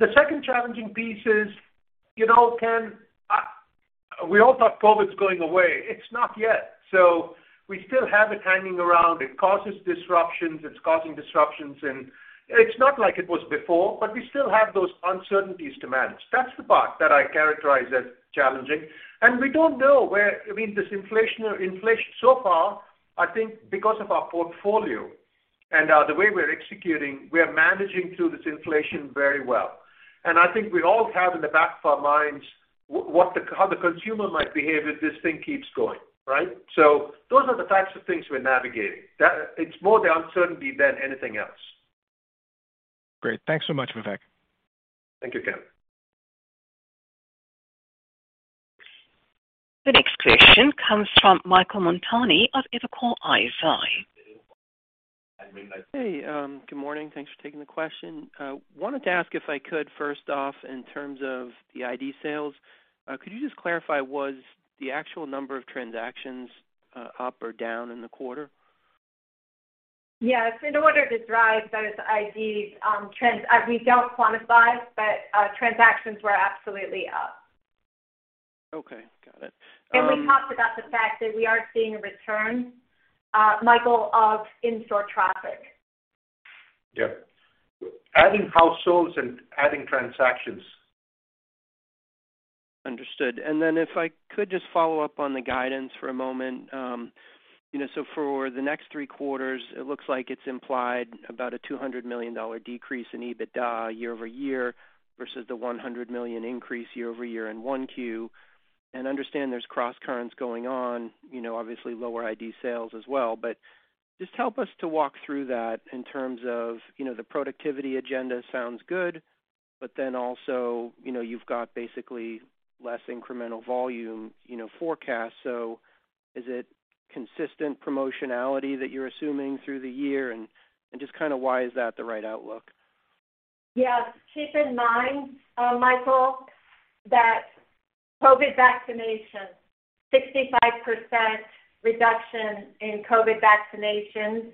B: The second challenging piece is, you know, Ken, we all thought COVID's going away. It's not yet. We still have it hanging around. It causes disruptions. It's causing disruptions. It's not like it was before, but we still have those uncertainties to manage. That's the part that I characterize as challenging. We don't know. I mean, this inflation so far, I think because of our portfolio and the way we're executing, we are managing through this inflation very well. I think we all have in the back of our minds what the, how the consumer might behave if this thing keeps going, right? Those are the types of things we're navigating. It's more the uncertainty than anything else.
J: Great. Thanks so much, Vivek.
B: Thank you, Ken.
D: The next question comes from Michael Montani of Evercore ISI.
K: Hey, good morning. Thanks for taking the question. Wanted to ask if I could first off in terms of the ID sales, could you just clarify was the actual number of transactions up or down in the quarter?
C: Yes. In order to drive those IDs, we don't quantify, but, transactions were absolutely up.
K: Okay, got it.
C: We talked about the fact that we are seeing a return, Michael, of in-store traffic.
B: Yeah. Adding households and adding transactions.
K: Understood. Then if I could just follow up on the guidance for a moment, you know, so for the next three quarters, it looks like it's implied about a $200 million decrease in EBITDA year-over-year versus the $100 million increase year-over-year in 1Q. Understand there's crosscurrents going on, you know, obviously lower ID sales as well. Just help us to walk through that in terms of, you know, the productivity agenda sounds good, but then also, you know, you've got basically less incremental volume, you know, forecast. Is it consistent promotionality that you're assuming through the year? Just kinda why is that the right outlook?
C: Yeah. Keep in mind, Michael, that COVID vaccinations, 65% reduction in COVID vaccinations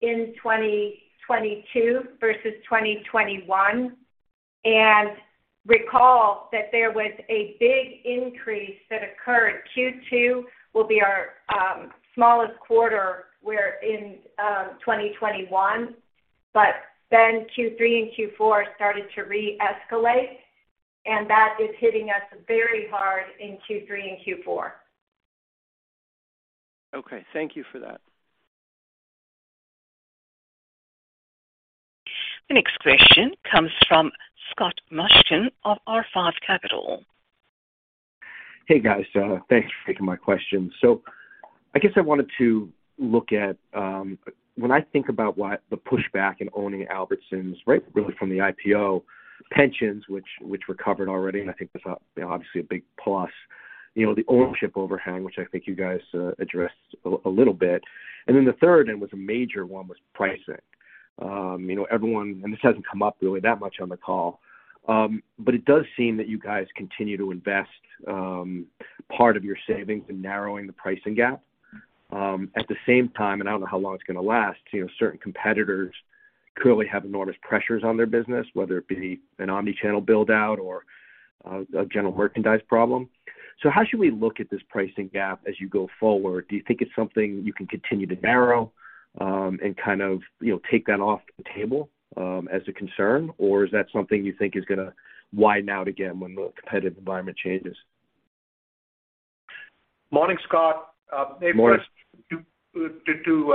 C: in 2022 versus 2021. Recall that there was a big increase that occurred. Q2 will be our smallest quarter wherein 2021. Q3 and Q4 started to re-escalate, and that is hitting us very hard in Q3 and Q4.
K: Okay. Thank you for that.
D: The next question comes from Scott Mushkin of R5 Capital.
L: Hey, guys. Thanks for taking my question. I guess I wanted to look at, when I think about what the push back in owning Albertsons, right, really from the IPO, pensions, which recovered already, and I think that's obviously a big plus. You know, the ownership overhang, which I think you guys addressed a little bit. The third one was a major one, was pricing. You know, everyone. This hasn't come up really that much on the call, but it does seem that you guys continue to invest, part of your savings in narrowing the pricing gap. At the same time, I don't know how long it's gonna last, you know, certain competitors clearly have enormous pressures on their business, whether it be an omni-channel build out or a general merchandise problem. How should we look at this pricing gap as you go forward? Do you think it's something you can continue to narrow, and kind of, you know, take that off the table, as a concern? Or is that something you think is gonna widen out again when the competitive environment changes?
B: Morning, Scott.
L: Morning.
B: To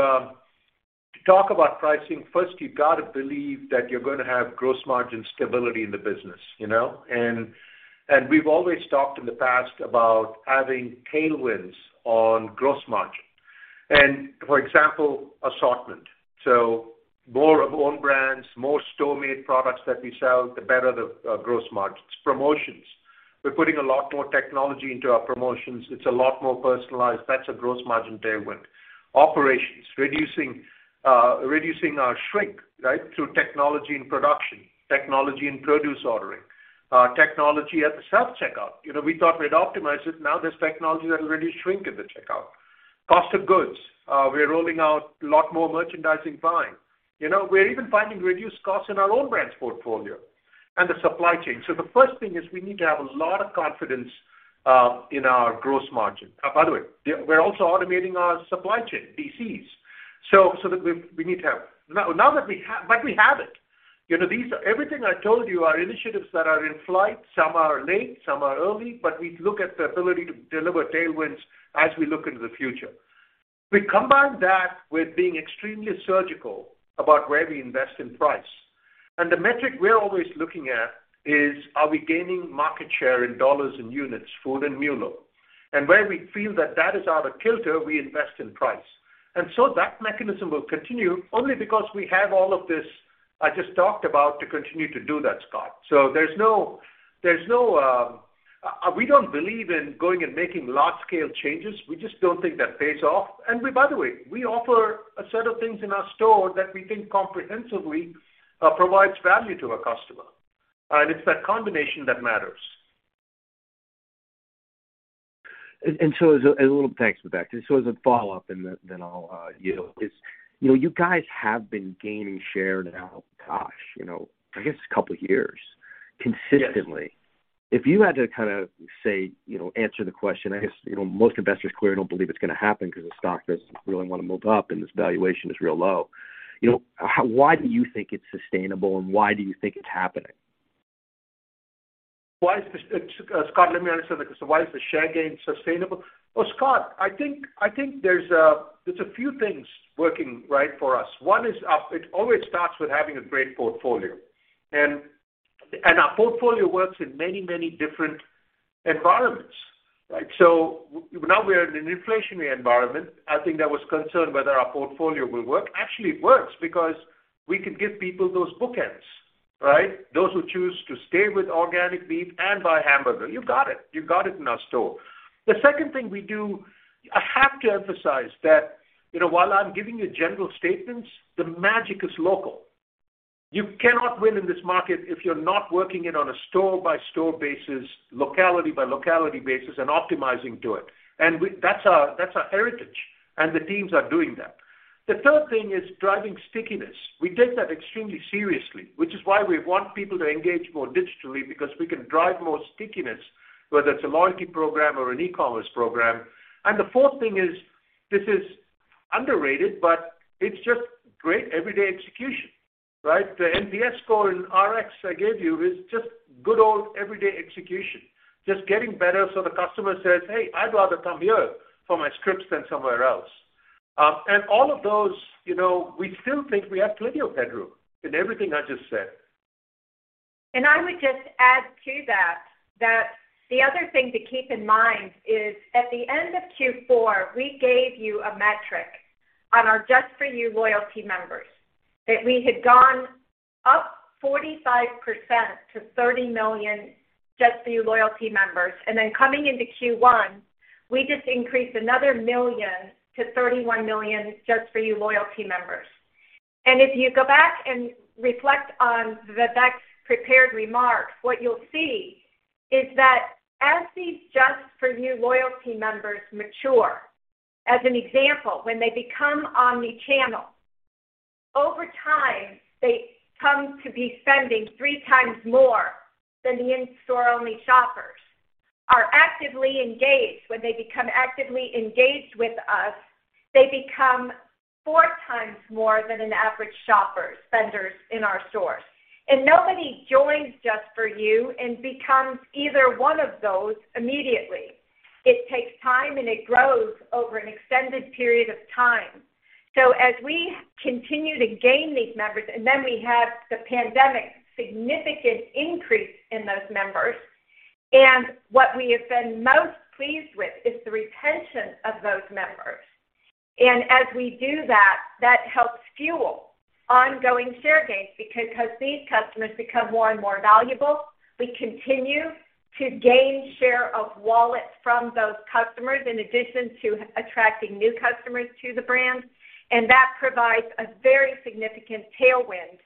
B: talk about pricing, first, you've got to believe that you're gonna have gross margin stability in the business, you know? We've always talked in the past about having tailwinds on gross margin. For example, assortment. More of own brands, more store-made products that we sell, the better the gross margins. Promotions. We're putting a lot more technology into our promotions. It's a lot more personalized. That's a gross margin tailwind. Operations. Reducing our shrink, right? Through technology and production, technology and produce ordering, technology at the self-checkout. You know, we thought we'd optimize it. Now, there's technology that will really shrink in the checkout. Cost of goods. We're rolling out a lot more merchandising buying. You know, we're even finding reduced costs in our own brands portfolio and the supply chain. The first thing is we need to have a lot of confidence in our gross margin. Oh, by the way, we're also automating our supply chain, DCs. But we have it. You know, these are everything I told you are initiatives that are in flight. Some are late, some are early, but we look at the ability to deliver tailwinds as we look into the future. We combine that with being extremely surgical about where we invest in price. The metric we're always looking at is, are we gaining market share in dollars and units, food and MULO? Where we feel that is out of kilter, we invest in price. That mechanism will continue only because we have all of this I just talked about to continue to do that, Scott. There's no. We don't believe in going and making large scale changes. We just don't think that pays off. We, by the way, offer a set of things in our store that we think comprehensively provides value to our customer. It's that combination that matters.
L: Thanks for that. Just as a follow-up and then I'll yield. Yes, you know, you guys have been gaining share now, gosh, you know, I guess a couple of years consistently.
B: Yes.
L: If you had to kind of say, you know, answer the question, I guess, you know, most investors clearly don't believe it's gonna happen because the stock doesn't really wanna move up and this valuation is real low. You know, why do you think it's sustainable, and why do you think it's happening?
B: Scott, let me understand. Why is the share gain sustainable? Well, Scott, I think there's a few things working right for us. One is up. It always starts with having a great portfolio. Our portfolio works in many, many different environments, right? Now we're in an inflationary environment. I think there was concern whether our portfolio will work. Actually, it works because we can give people those bookends, right? Those who choose to stay with organic beef and buy hamburger. You got it. You got it in our store. The second thing we do, I have to emphasize that, you know, while I'm giving you general statements, the magic is local. You cannot win in this market if you're not working it on a store-by-store basis, locality-by-locality basis, and optimizing to it. That's our heritage, and the teams are doing that. The third thing is driving stickiness. We take that extremely seriously, which is why we want people to engage more digitally because we can drive more stickiness, whether it's a loyalty program or an e-commerce program. The fourth thing is, this is underrated, but it's just great everyday execution, right? The NPS score in RX I gave you is just good old everyday execution. Just getting better so the customer says, "Hey, I'd rather come here for my scripts than somewhere else." All of those, you know, we still think we have plenty of headroom in everything I just said.
C: I would just add to that the other thing to keep in mind is at the end of Q4, we gave you a metric on our just for U loyalty members, that we had gone up 45%-30 million just for U loyalty members. Coming into Q1, we just increased another 1 million-31 million just for U loyalty members. If you go back and reflect on Vivek's prepared remarks, what you'll see is that as these just for U loyalty members mature, as an example, when they become omni-channel, over time, they come to be spending 3x more than the in-store only shoppers. Are actively engaged. When they become actively engaged with us, they become 4x more than an average shopper spenders in our stores. Nobody joins just for U and becomes either one of those immediately. It takes time, and it grows over an extended period of time. As we continue to gain these members, and then we have the pandemic significant increase in those members, and what we have been most pleased with is the retention of those members. As we do that helps fuel ongoing share gains because these customers become more and more valuable, we continue to gain share of wallet from those customers in addition to attracting new customers to the brand. That provides a very significant tailwind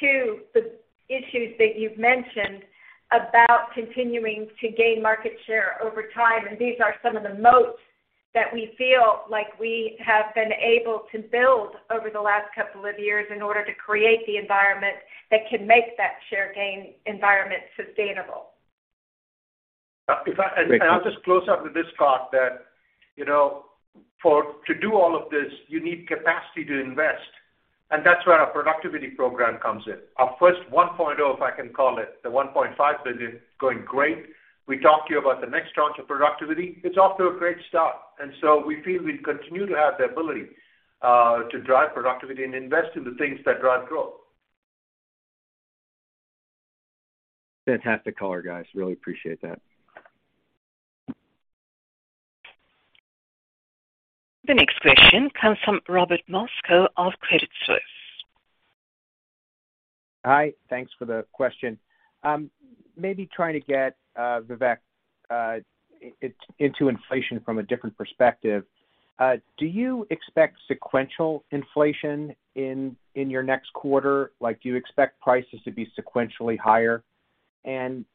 C: to the issues that you've mentioned about continuing to gain market share over time. These are some of the moats that we feel like we have been able to build over the last couple of years in order to create the environment that can make that share gain environment sustainable.
B: I'll just close out with this thought that, you know, to do all of this, you need capacity to invest, and that's where our productivity program comes in. Our first 1.0, if I can call it, the $1.5 billion, going great. We talked to you about the next tranche of productivity. It's off to a great start. We feel we continue to have the ability to drive productivity and invest in the things that drive growth.
L: Fantastic color, guys. Really appreciate that.
D: The next question comes from Robert Moskow of Credit Suisse.
M: Hi. Thanks for the question. Maybe trying to get Vivek into inflation from a different perspective. Do you expect sequential inflation in your next quarter, like, do you expect prices to be sequentially higher?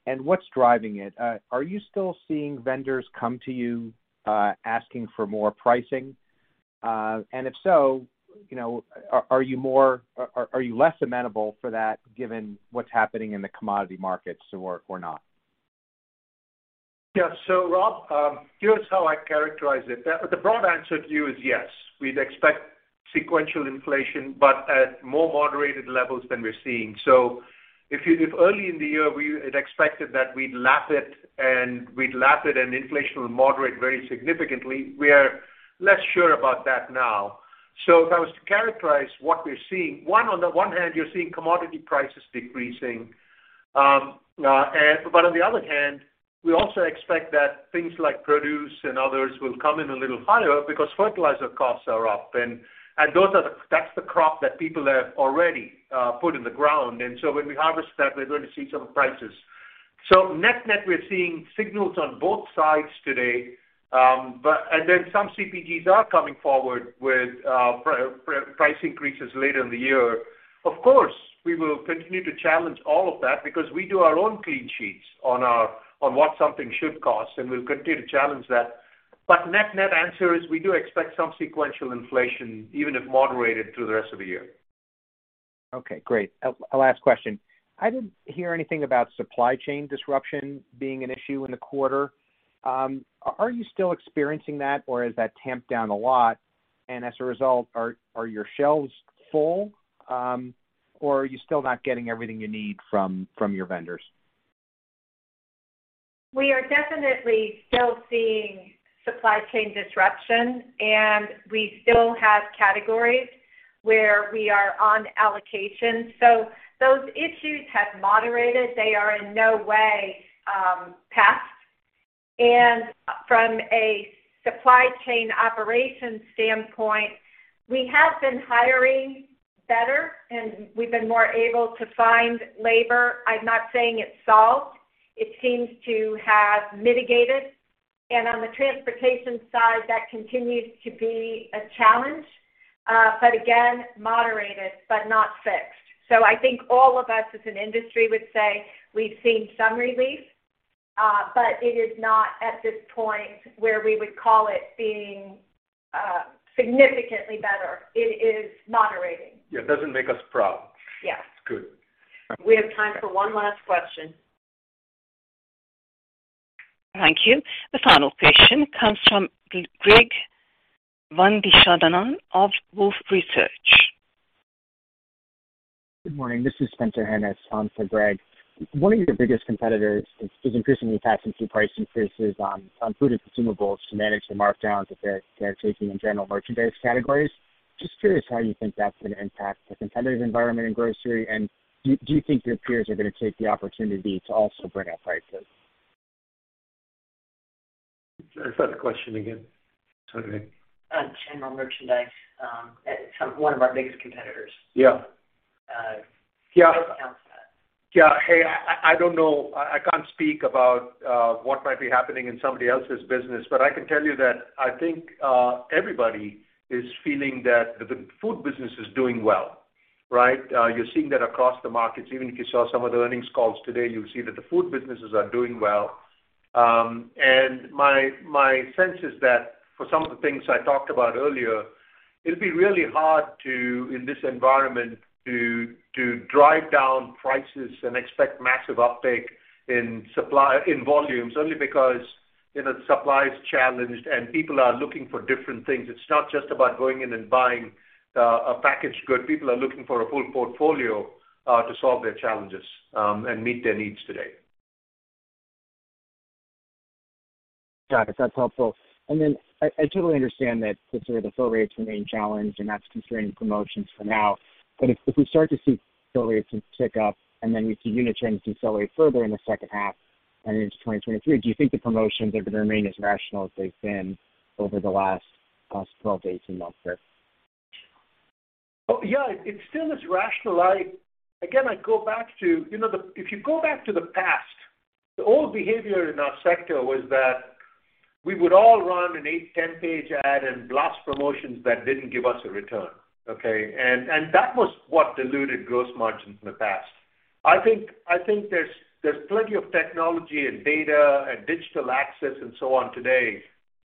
M: What's driving it? Are you still seeing vendors come to you asking for more pricing? and if so, you know, are you less amenable for that given what's happening in the commodity markets or not?
B: Yeah. Rob, here's how I characterize it. The broad answer to you is yes. We'd expect sequential inflation, but at more moderated levels than we're seeing. If early in the year we had expected that we'd lap it and inflation will moderate very significantly, we are less sure about that now. If I was to characterize what we're seeing, one, on the one hand, you're seeing commodity prices decreasing, but on the other hand, we also expect that things like produce and others will come in a little higher because fertilizer costs are up, and those are the that's the crop that people have already put in the ground. When we harvest that, we're going to see some prices. Net-net, we're seeing signals on both sides today. Some CPGs are coming forward with price increases later in the year. Of course, we will continue to challenge all of that because we do our own clean sheets on what something should cost, and we'll continue to challenge that. Net-net answer is we do expect some sequential inflation, even if moderated through the rest of the year.
M: Okay, great. A last question. I didn't hear anything about supply chain disruption being an issue in the quarter. Are you still experiencing that, or has that tamped down a lot, and as a result, are your shelves full, or are you still not getting everything you need from your vendors?
C: We are definitely still seeing supply chain disruption, and we still have categories where we are on allocation. Those issues have moderated. They are in no way past. From a supply chain operations standpoint, we have been hiring better, and we've been more able to find labor. I'm not saying it's solved. It seems to have mitigated. On the transportation side, that continues to be a challenge, but again, moderated but not fixed. I think all of us as an industry would say we've seen some relief, but it is not at this point where we would call it being significantly better. It is moderating.
B: Yeah, it doesn't make us proud.
C: Yes.
B: Good.
A: We have time for one last question.
D: Thank you. The final question comes from Greg Badishkanian of Wolfe Research.
N: Good morning. This is Spencer Hanus on for Greg. One of your biggest competitors is increasingly passing through price increases on food and consumables to manage the markdowns that they're taking in general merchandise categories. Just curious how you think that's gonna impact the competitive environment in grocery, and do you think your peers are gonna take the opportunity to also bring up prices?
B: Sorry, say the question again. Sorry.
A: General merchandise at one of our biggest competitors.
B: Yeah.
A: Uh-
B: Yeah.
A: How does that count for that?
B: Yeah. Hey, I don't know. I can't speak about what might be happening in somebody else's business, but I can tell you that I think everybody is feeling that the food business is doing well, right? You're seeing that across the markets. Even if you saw some of the earnings calls today, you'll see that the food businesses are doing well. My sense is that for some of the things I talked about earlier, it'd be really hard, in this environment, to drive down prices and expect massive uptake in volumes only because, you know, supply is challenged and people are looking for different things. It's not just about going in and buying a packaged good. People are looking for a full portfolio to solve their challenges and meet their needs today.
N: Got it. That's helpful. I totally understand that sort of the fill rates remain challenged and that's constraining promotions for now. If we start to see fill rates tick up and then we see unit trends accelerate further in the second half and into 2023, do you think the promotions are gonna remain as rational as they've been over the last 12-18 months here?
B: Oh, yeah. It still is rational. Again, I go back to, you know, if you go back to the past, the old behavior in our sector was that we would all run an 8-10 page ad and blast promotions that didn't give us a return, okay? That was what diluted gross margins in the past. I think there's plenty of technology and data and digital access and so on today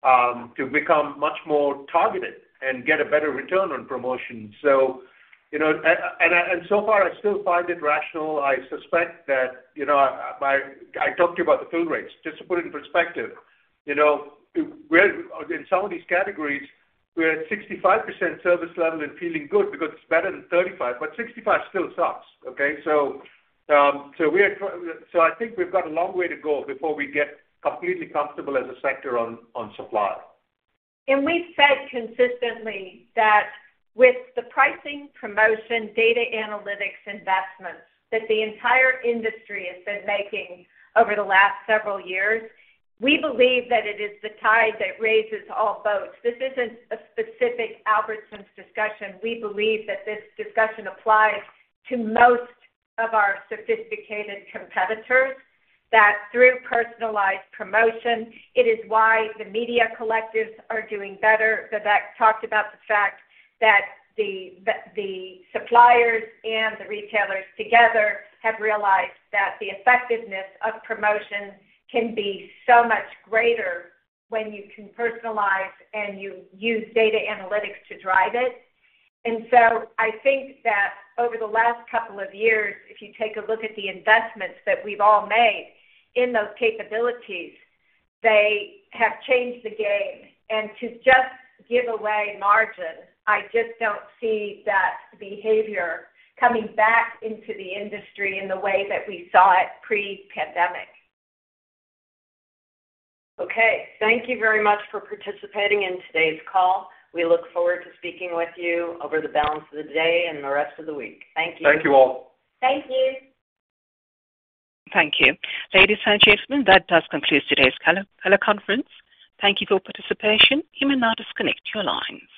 B: to become much more targeted and get a better return on promotion. You know, so far I still find it rational. I suspect that, you know, I talked to you about the fill rates. Just to put it in perspective, you know, we're in some of these categories, we're at 65% service level and feeling good because it's better than 35%, but 65% still sucks, okay? I think we've got a long way to go before we get completely comfortable as a sector on supply.
C: We've said consistently that with the pricing, promotion, data analytics investments that the entire industry has been making over the last several years, we believe that it is the tide that raises all boats. This isn't a specific Albertsons discussion. We believe that this discussion applies to most of our sophisticated competitors, that through personalized promotion, it is why the media collectives are doing better. Vivek talked about the fact that the suppliers and the retailers together have realized that the effectiveness of promotion can be so much greater when you can personalize and you use data analytics to drive it. I think that over the last couple of years, if you take a look at the investments that we've all made in those capabilities, they have changed the game. To just give away margin, I just don't see that behavior coming back into the industry in the way that we saw it pre-pandemic.
A: Okay. Thank you very much for participating in today's call. We look forward to speaking with you over the balance of the day and the rest of the week. Thank you.
B: Thank you all.
C: Thank you.
D: Thank you. Ladies and gentlemen, that does conclude today's teleconference. Thank you for your participation. You may now disconnect your line.